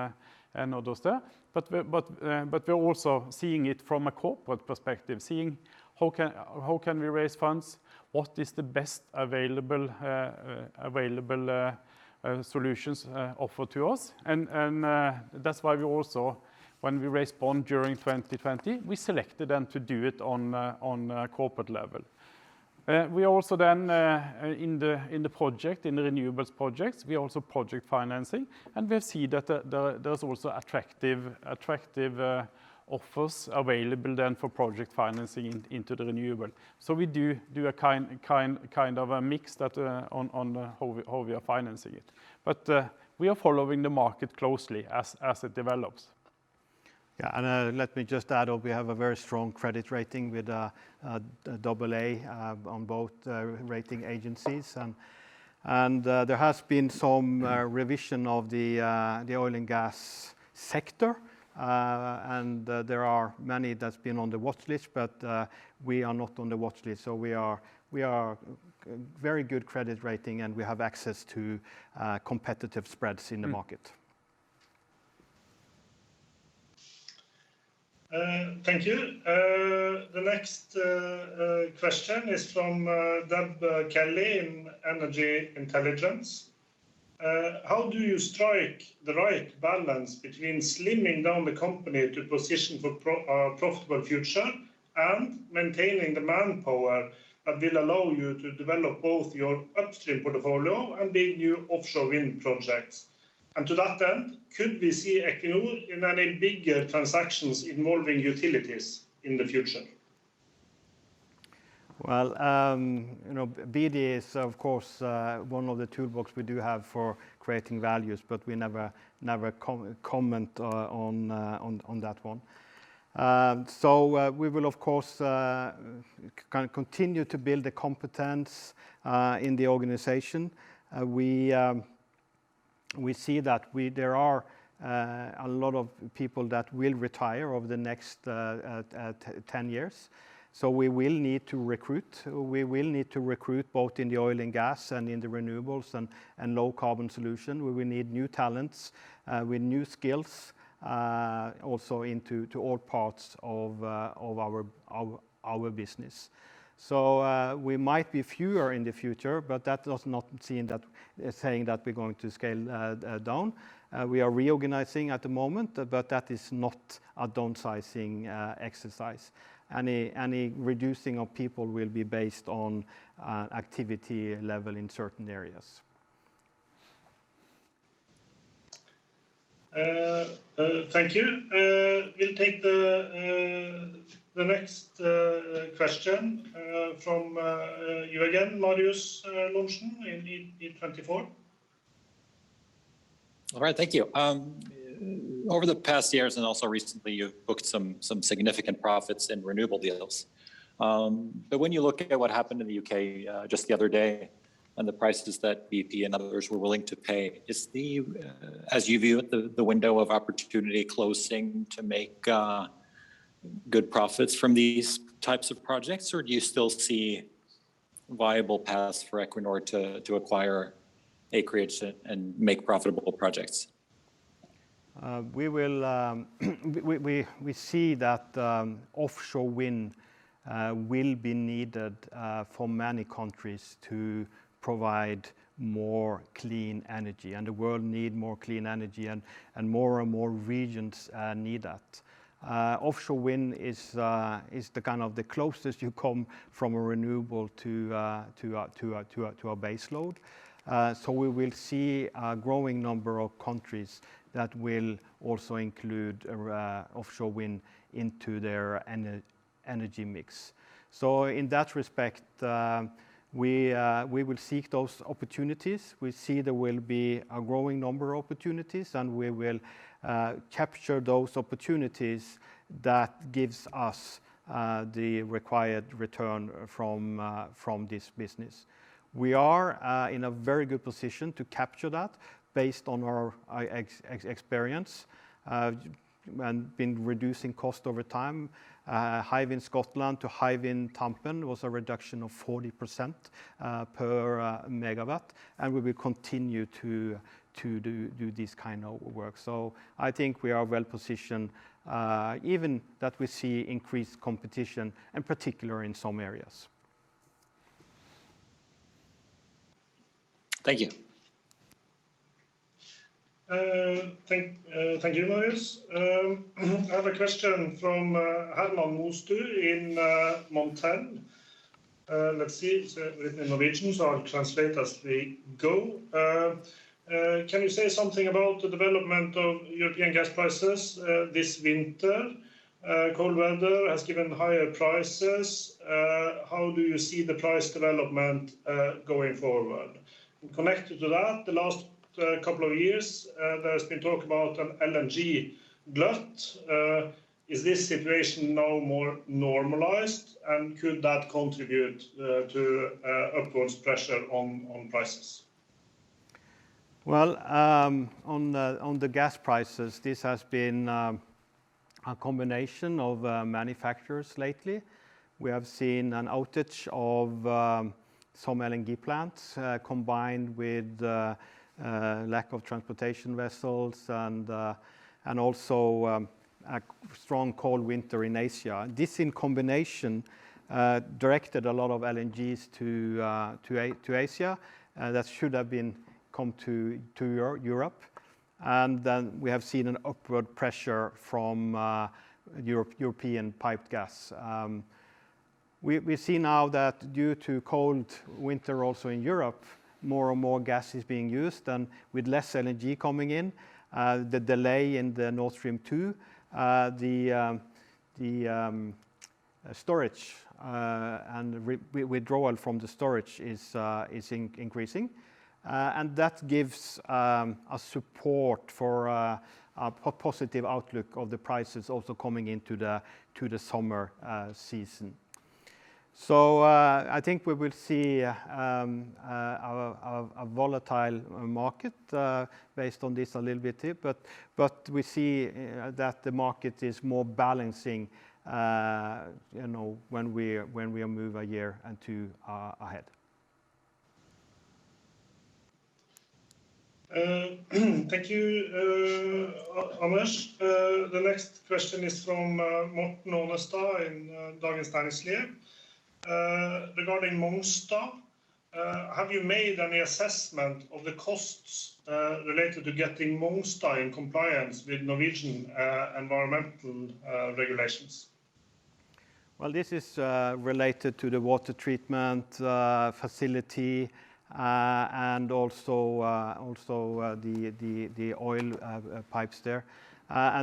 all those there. We're also seeing it from a corporate perspective, seeing how can we raise funds, what is the best available solutions offered to us. That's why we also, when we raised bond during 2020, we selected then to do it on a corporate level. We also then in the renewables projects, we also project financing, and we see that there's also attractive offers available then for project financing into the renewable. We do a kind of a mix on how we are financing it. We are following the market closely as it develops. Yeah, and let me just add on, we have a very strong credit rating with AA on both rating agencies. There has been some revision of the oil and gas sector, and there are many that's been on the watchlist, but we are not on the watchlist, so we are very good credit rating, and we have access to competitive spreads in the market. Thank you. The next question is from Deb Kelly in Energy Intelligence. How do you strike the right balance between slimming down the company to position for a profitable future and maintaining the manpower that will allow you to develop both your upstream portfolio and the new offshore wind projects? To that end, could we see Equinor in any bigger transactions involving utilities in the future? Well, BD is of course one of the toolbox we do have for creating values, but we never comment on that one. We will of course continue to build the competence in the organization. We see that there are a lot of people that will retire over the next 10 years, so we will need to recruit. We will need to recruit both in the oil and gas and in the renewables and low carbon solution. We will need new talents with new skills also into all parts of our business. We might be fewer in the future, but that does not saying that we're going to scale down. We are reorganizing at the moment, but that is not a downsizing exercise. Any reducing of people will be based on activity level in certain areas. Thank you. We'll take the next question from you again, Marius Lorentzen in E24. All right. Thank you. Over the past years, also recently, you've booked some significant profits in renewable deals. When you look at what happened in the U.K. just the other day and the prices that BP and others were willing to pay, as you view it, the window of opportunity closing to make good profits from these types of projects, or do you still see viable paths for Equinor to acquire acreage and make profitable projects? We see that offshore wind will be needed for many countries to provide more clean energy, and the world need more clean energy and more and more regions need that. Offshore wind is the closest you come from a renewable to a base load. We will see a growing number of countries that will also include offshore wind into their energy mix. In that respect, we will seek those opportunities. We see there will be a growing number of opportunities, and we will capture those opportunities that gives us the required return from this business. We are in a very good position to capture that based on our experience and been reducing cost over time. Hywind Scotland to Hywind Tampen was a reduction of 40% per megawatt, and we will continue to do this kind of work. I think we are well positioned, even that we see increased competition, in particular in some areas. Thank you. Thank you, Marius. I have a question from Herman Moestue in Montel. Let's see. It's written in Norwegian, so I'll translate as we go. Can you say something about the development of European gas prices this winter? Cold weather has given higher prices. How do you see the price development going forward? Connected to that, the last couple of years, there's been talk about an LNG glut. Is this situation now more normalized, and could that contribute to upwards pressure on prices? On the gas prices, this has been a combination of many factors lately. We have seen an outage of some LNG plants combined with lack of transportation vessels and also a strong cold winter in Asia. This in combination directed a lot of LNGs to Asia that should have come to Europe. Then we have seen an upward pressure from European piped gas. We see now that due to cold winter also in Europe, more and more gas is being used and with less LNG coming in, the delay in the Nord Stream 2, the storage and withdrawal from the storage is increasing. That gives a support for a positive outlook of the prices also coming into the summer season. I think we will see a volatile market based on this a little bit here, but we see that the market is more balancing when we move a year and two ahead. Thank you, Anders. The next question is from Morten Ånestad in Dagens Næringsliv regarding Mongstad. Have you made any assessment of the costs related to getting Mongstad in compliance with Norwegian environmental regulations? Well, this is related to the water treatment facility, and also the oil pipes there.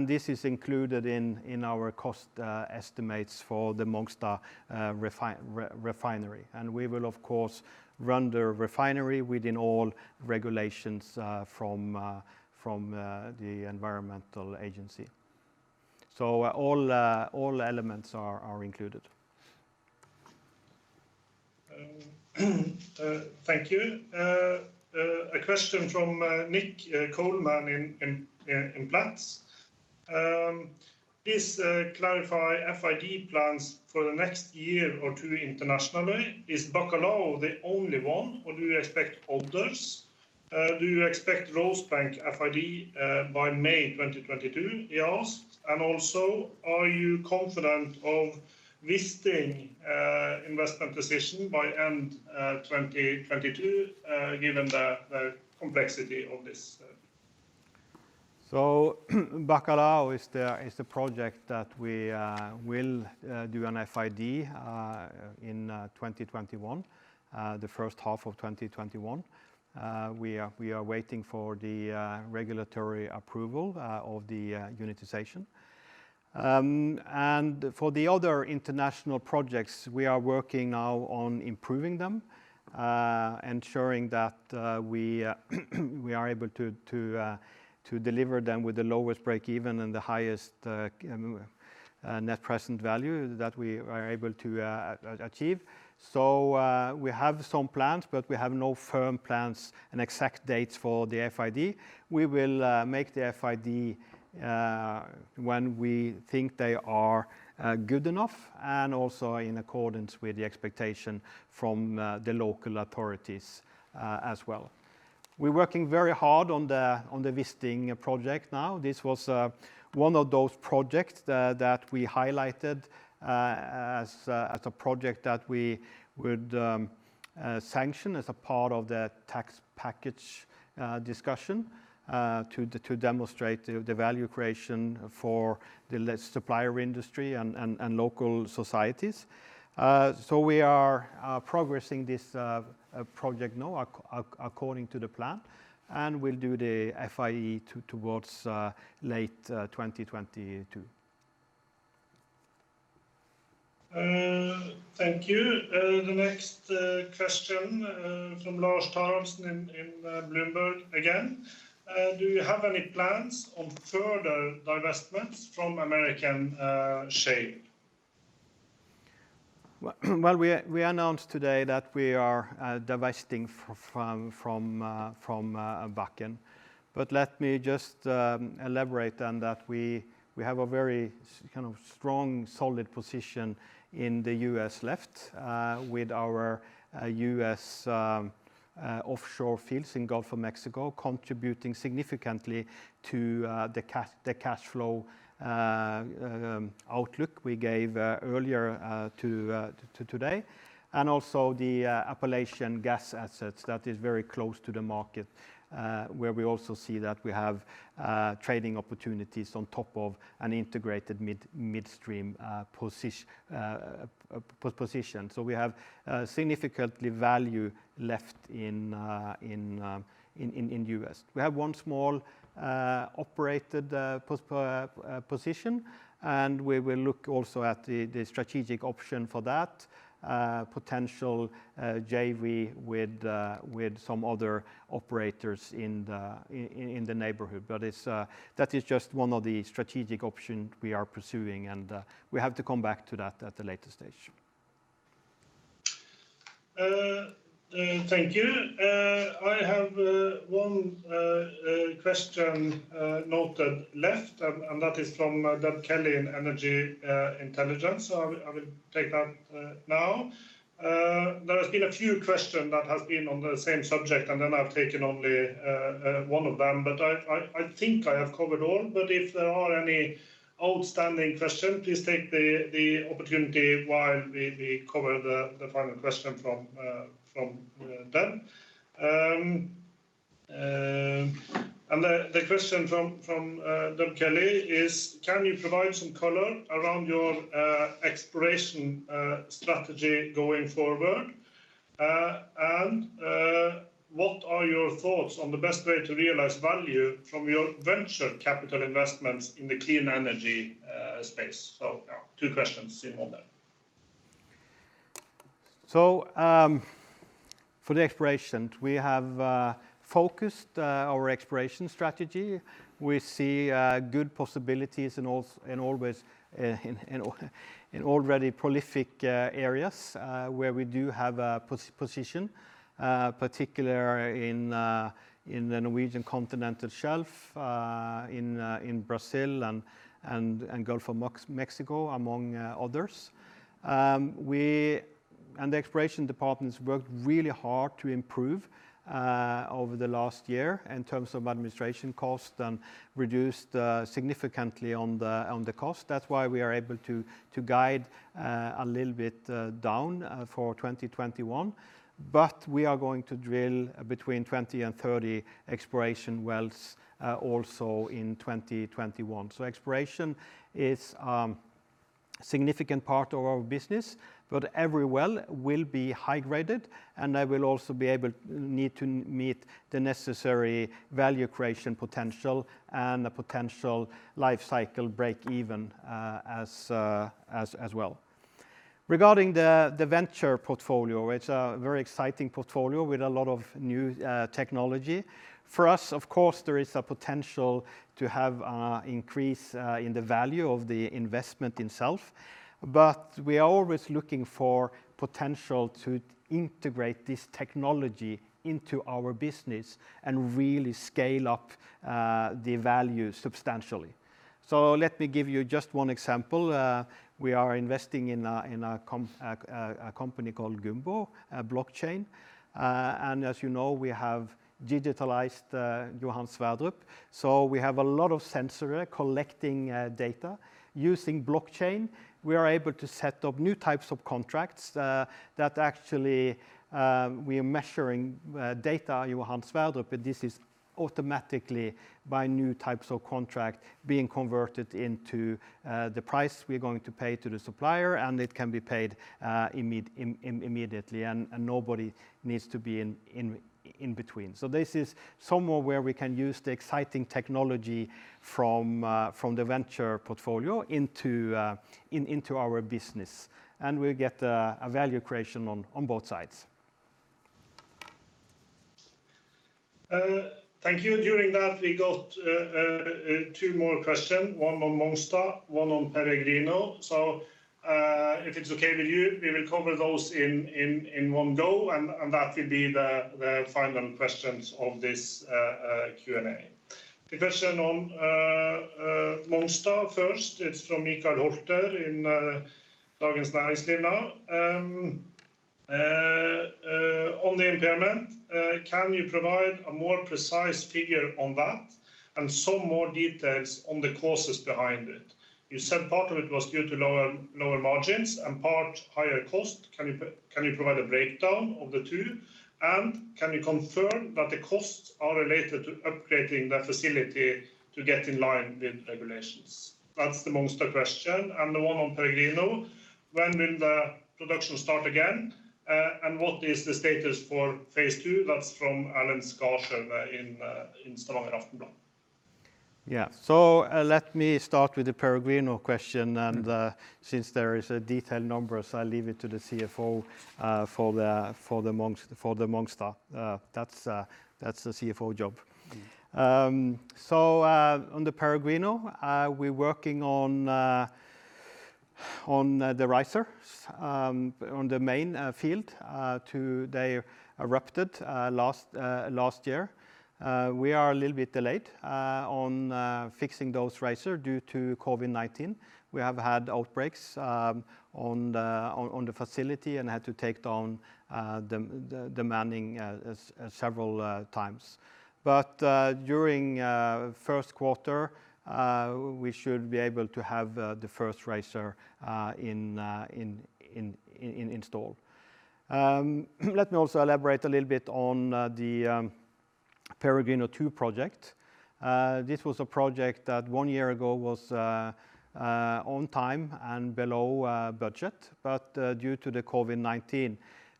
This is included in our cost estimates for the Mongstad refinery. We will, of course, run the refinery within all regulations from the environmental agency. All elements are included. Thank you. A question from Nick Coleman in Platts. Please clarify FID plans for the next year or two internationally. Is Bacalhau the only one, or do you expect others? "Do you expect Rosebank FID by May 2022?" he asked. Also, are you confident of Wisting investment decision by end 2022 given the complexity of this? Bacalhau is the project that we will do an FID in 2021, the first half of 2021. We are waiting for the regulatory approval of the unitization. For the other international projects, we are working now on improving them, ensuring that we are able to deliver them with the lowest breakeven and the highest net present value that we are able to achieve. We have some plans, but we have no firm plans and exact dates for the FID. We will make the FID when we think they are good enough and also in accordance with the expectation from the local authorities as well. We're working very hard on the Wisting project now. This was one of those projects that we highlighted as a project that we would sanction as a part of the tax package discussion to demonstrate the value creation for the supplier industry and local societies. We are progressing this project now according to the plan, and we'll do the FID towards late 2022. Thank you. The next question from Lars Taraldsen in Bloomberg again. Do you have any plans on further divestments from American shale? Well, we announced today that we are divesting from Bakken. Let me just elaborate on that we have a very strong, solid position in the U.S. left with our U.S. offshore fields in Gulf of Mexico contributing significantly to the cash flow outlook we gave earlier today. Also the Appalachian gas assets that is very close to the market, where we also see that we have trading opportunities on top of an integrated midstream position. We have significantly value left in U.S. We have one small operated position, and we will look also at the strategic option for that potential JV with some other operators in the neighborhood. That is just one of the strategic option we are pursuing, and we have to come back to that at a later stage. Thank you. I have one question noted left, that is from Deb Kelly in Energy Intelligence, I will take that now. There has been a few question that has been on the same subject, I've taken only one of them, I think I have covered all. If there are any outstanding question, please take the opportunity while we cover the final question from Deb. The question from Deb Kelly is, can you provide some color around your exploration strategy going forward? What are your thoughts on the best way to realize value from your venture capital investments in the clean energy space? Two questions in one there. For the exploration, we have focused our exploration strategy. We see good possibilities in already prolific areas, where we do have a position, particularly in the Norwegian continental shelf, in Brazil and Gulf of Mexico, among others. The exploration departments worked really hard to improve over the last year in terms of administration costs and reduced significantly on the costs. That's why we are able to guide a little bit down for 2021. We are going to drill between 20 and 30 exploration wells also in 2021. Exploration is significant part of our business, but every well will be high-graded, and they will also need to meet the necessary value creation potential and the potential life cycle break-even as well. Regarding the venture portfolio, it's a very exciting portfolio with a lot of new technology. For us, of course, there is a potential to have increase in the value of the investment itself, but we are always looking for potential to integrate this technology into our business and really scale up the value substantially. Let me give you just one example. We are investing in a company called Gumbo, a blockchain. As you know, we have digitalized Johan Sverdrup. We have a lot of sensor collecting data. Using blockchain, we are able to set up new types of contracts that actually we are measuring data Johan Sverdrup, but this is automatically by new types of contract being converted into the price we're going to pay to the supplier, and it can be paid immediately, and nobody needs to be in between. This is somewhere where we can use the exciting technology from the venture portfolio into our business. We get a value creation on both sides. Thank you. During that, we got two more question, one on Mongstad, one on Peregrino. If it's okay with you, we will cover those in one go, and that will be the final questions of this Q&A. The question on Mongstad first, it's from Mikael Holter in Dagens Næringsliv now. On the impairment, can you provide a more precise figure on that and some more details on the causes behind it? You said part of it was due to lower margins and part higher cost. Can you provide a breakdown of the two? Can you confirm that the costs are related to upgrading the facility to get in line with regulations? That's the Mongstad question. The one on Peregrino, when will the production start again? What is the status for phase two? That's from Erlend Skarsaune in Stavanger Aftenblad. Yeah. Let me start with the Peregrino question, and since there is detailed numbers, I leave it to the CFO for the Mongstad. That's the CFO job. On the Peregrino, we're working on the risers on the main field, they erupted last year. We are a little bit delayed on fixing those risers due to COVID-19. We have had outbreaks on the facility and had to take down the manning several times. During first quarter, we should be able to have the first riser installed. Let me also elaborate a little bit on the Peregrino 2 project. This was a project that one year ago was on time and below budget, but due to the COVID-19,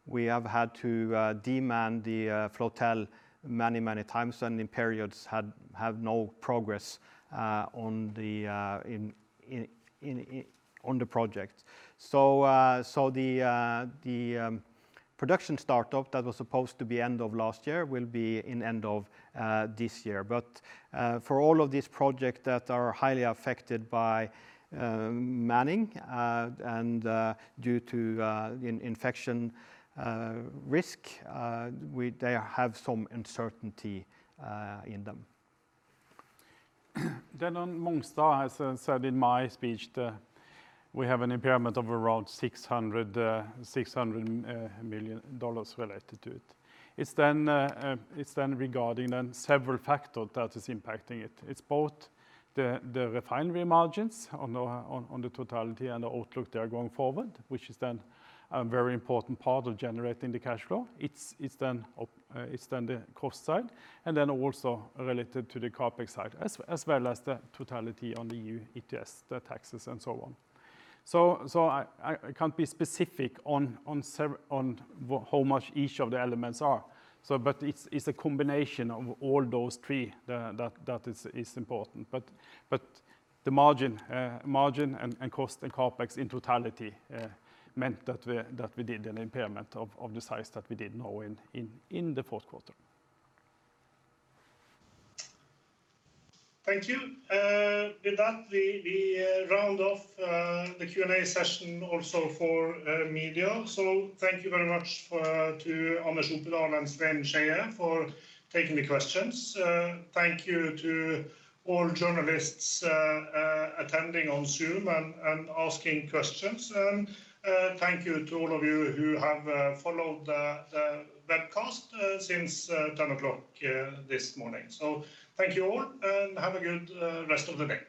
we have had to demand the flotel many times, and in periods have no progress on the project. The production startup that was supposed to be end of last year will be in end of this year. For all of these projects that are highly affected by manning and due to infection risk they have some uncertainty in them. On Mongstad, as I said in my speech, we have an impairment of around $600 million related to it. It's then regarding then several factors that is impacting it. It's both the refinery margins on the totality and the outlook there going forward, which is then a very important part of generating the cash flow. It's then the cost side, and then also related to the CapEx side, as well as the totality on the EU ETS, the taxes and so on. I can't be specific on how much each of the elements are. It's a combination of all those three that is important. The margin and cost and CapEx in totality meant that we did an impairment of the size that we did know in the fourth quarter. Thank you. With that, we round off the Q&A session also for media. Thank you very much to Anders Opedal and Svein Skeie, for taking the questions. Thank you to all journalists attending on Zoom and asking questions. Thank you to all of you who have followed the webcast since 10:00 this morning. Thank you all, and have a good rest of the day.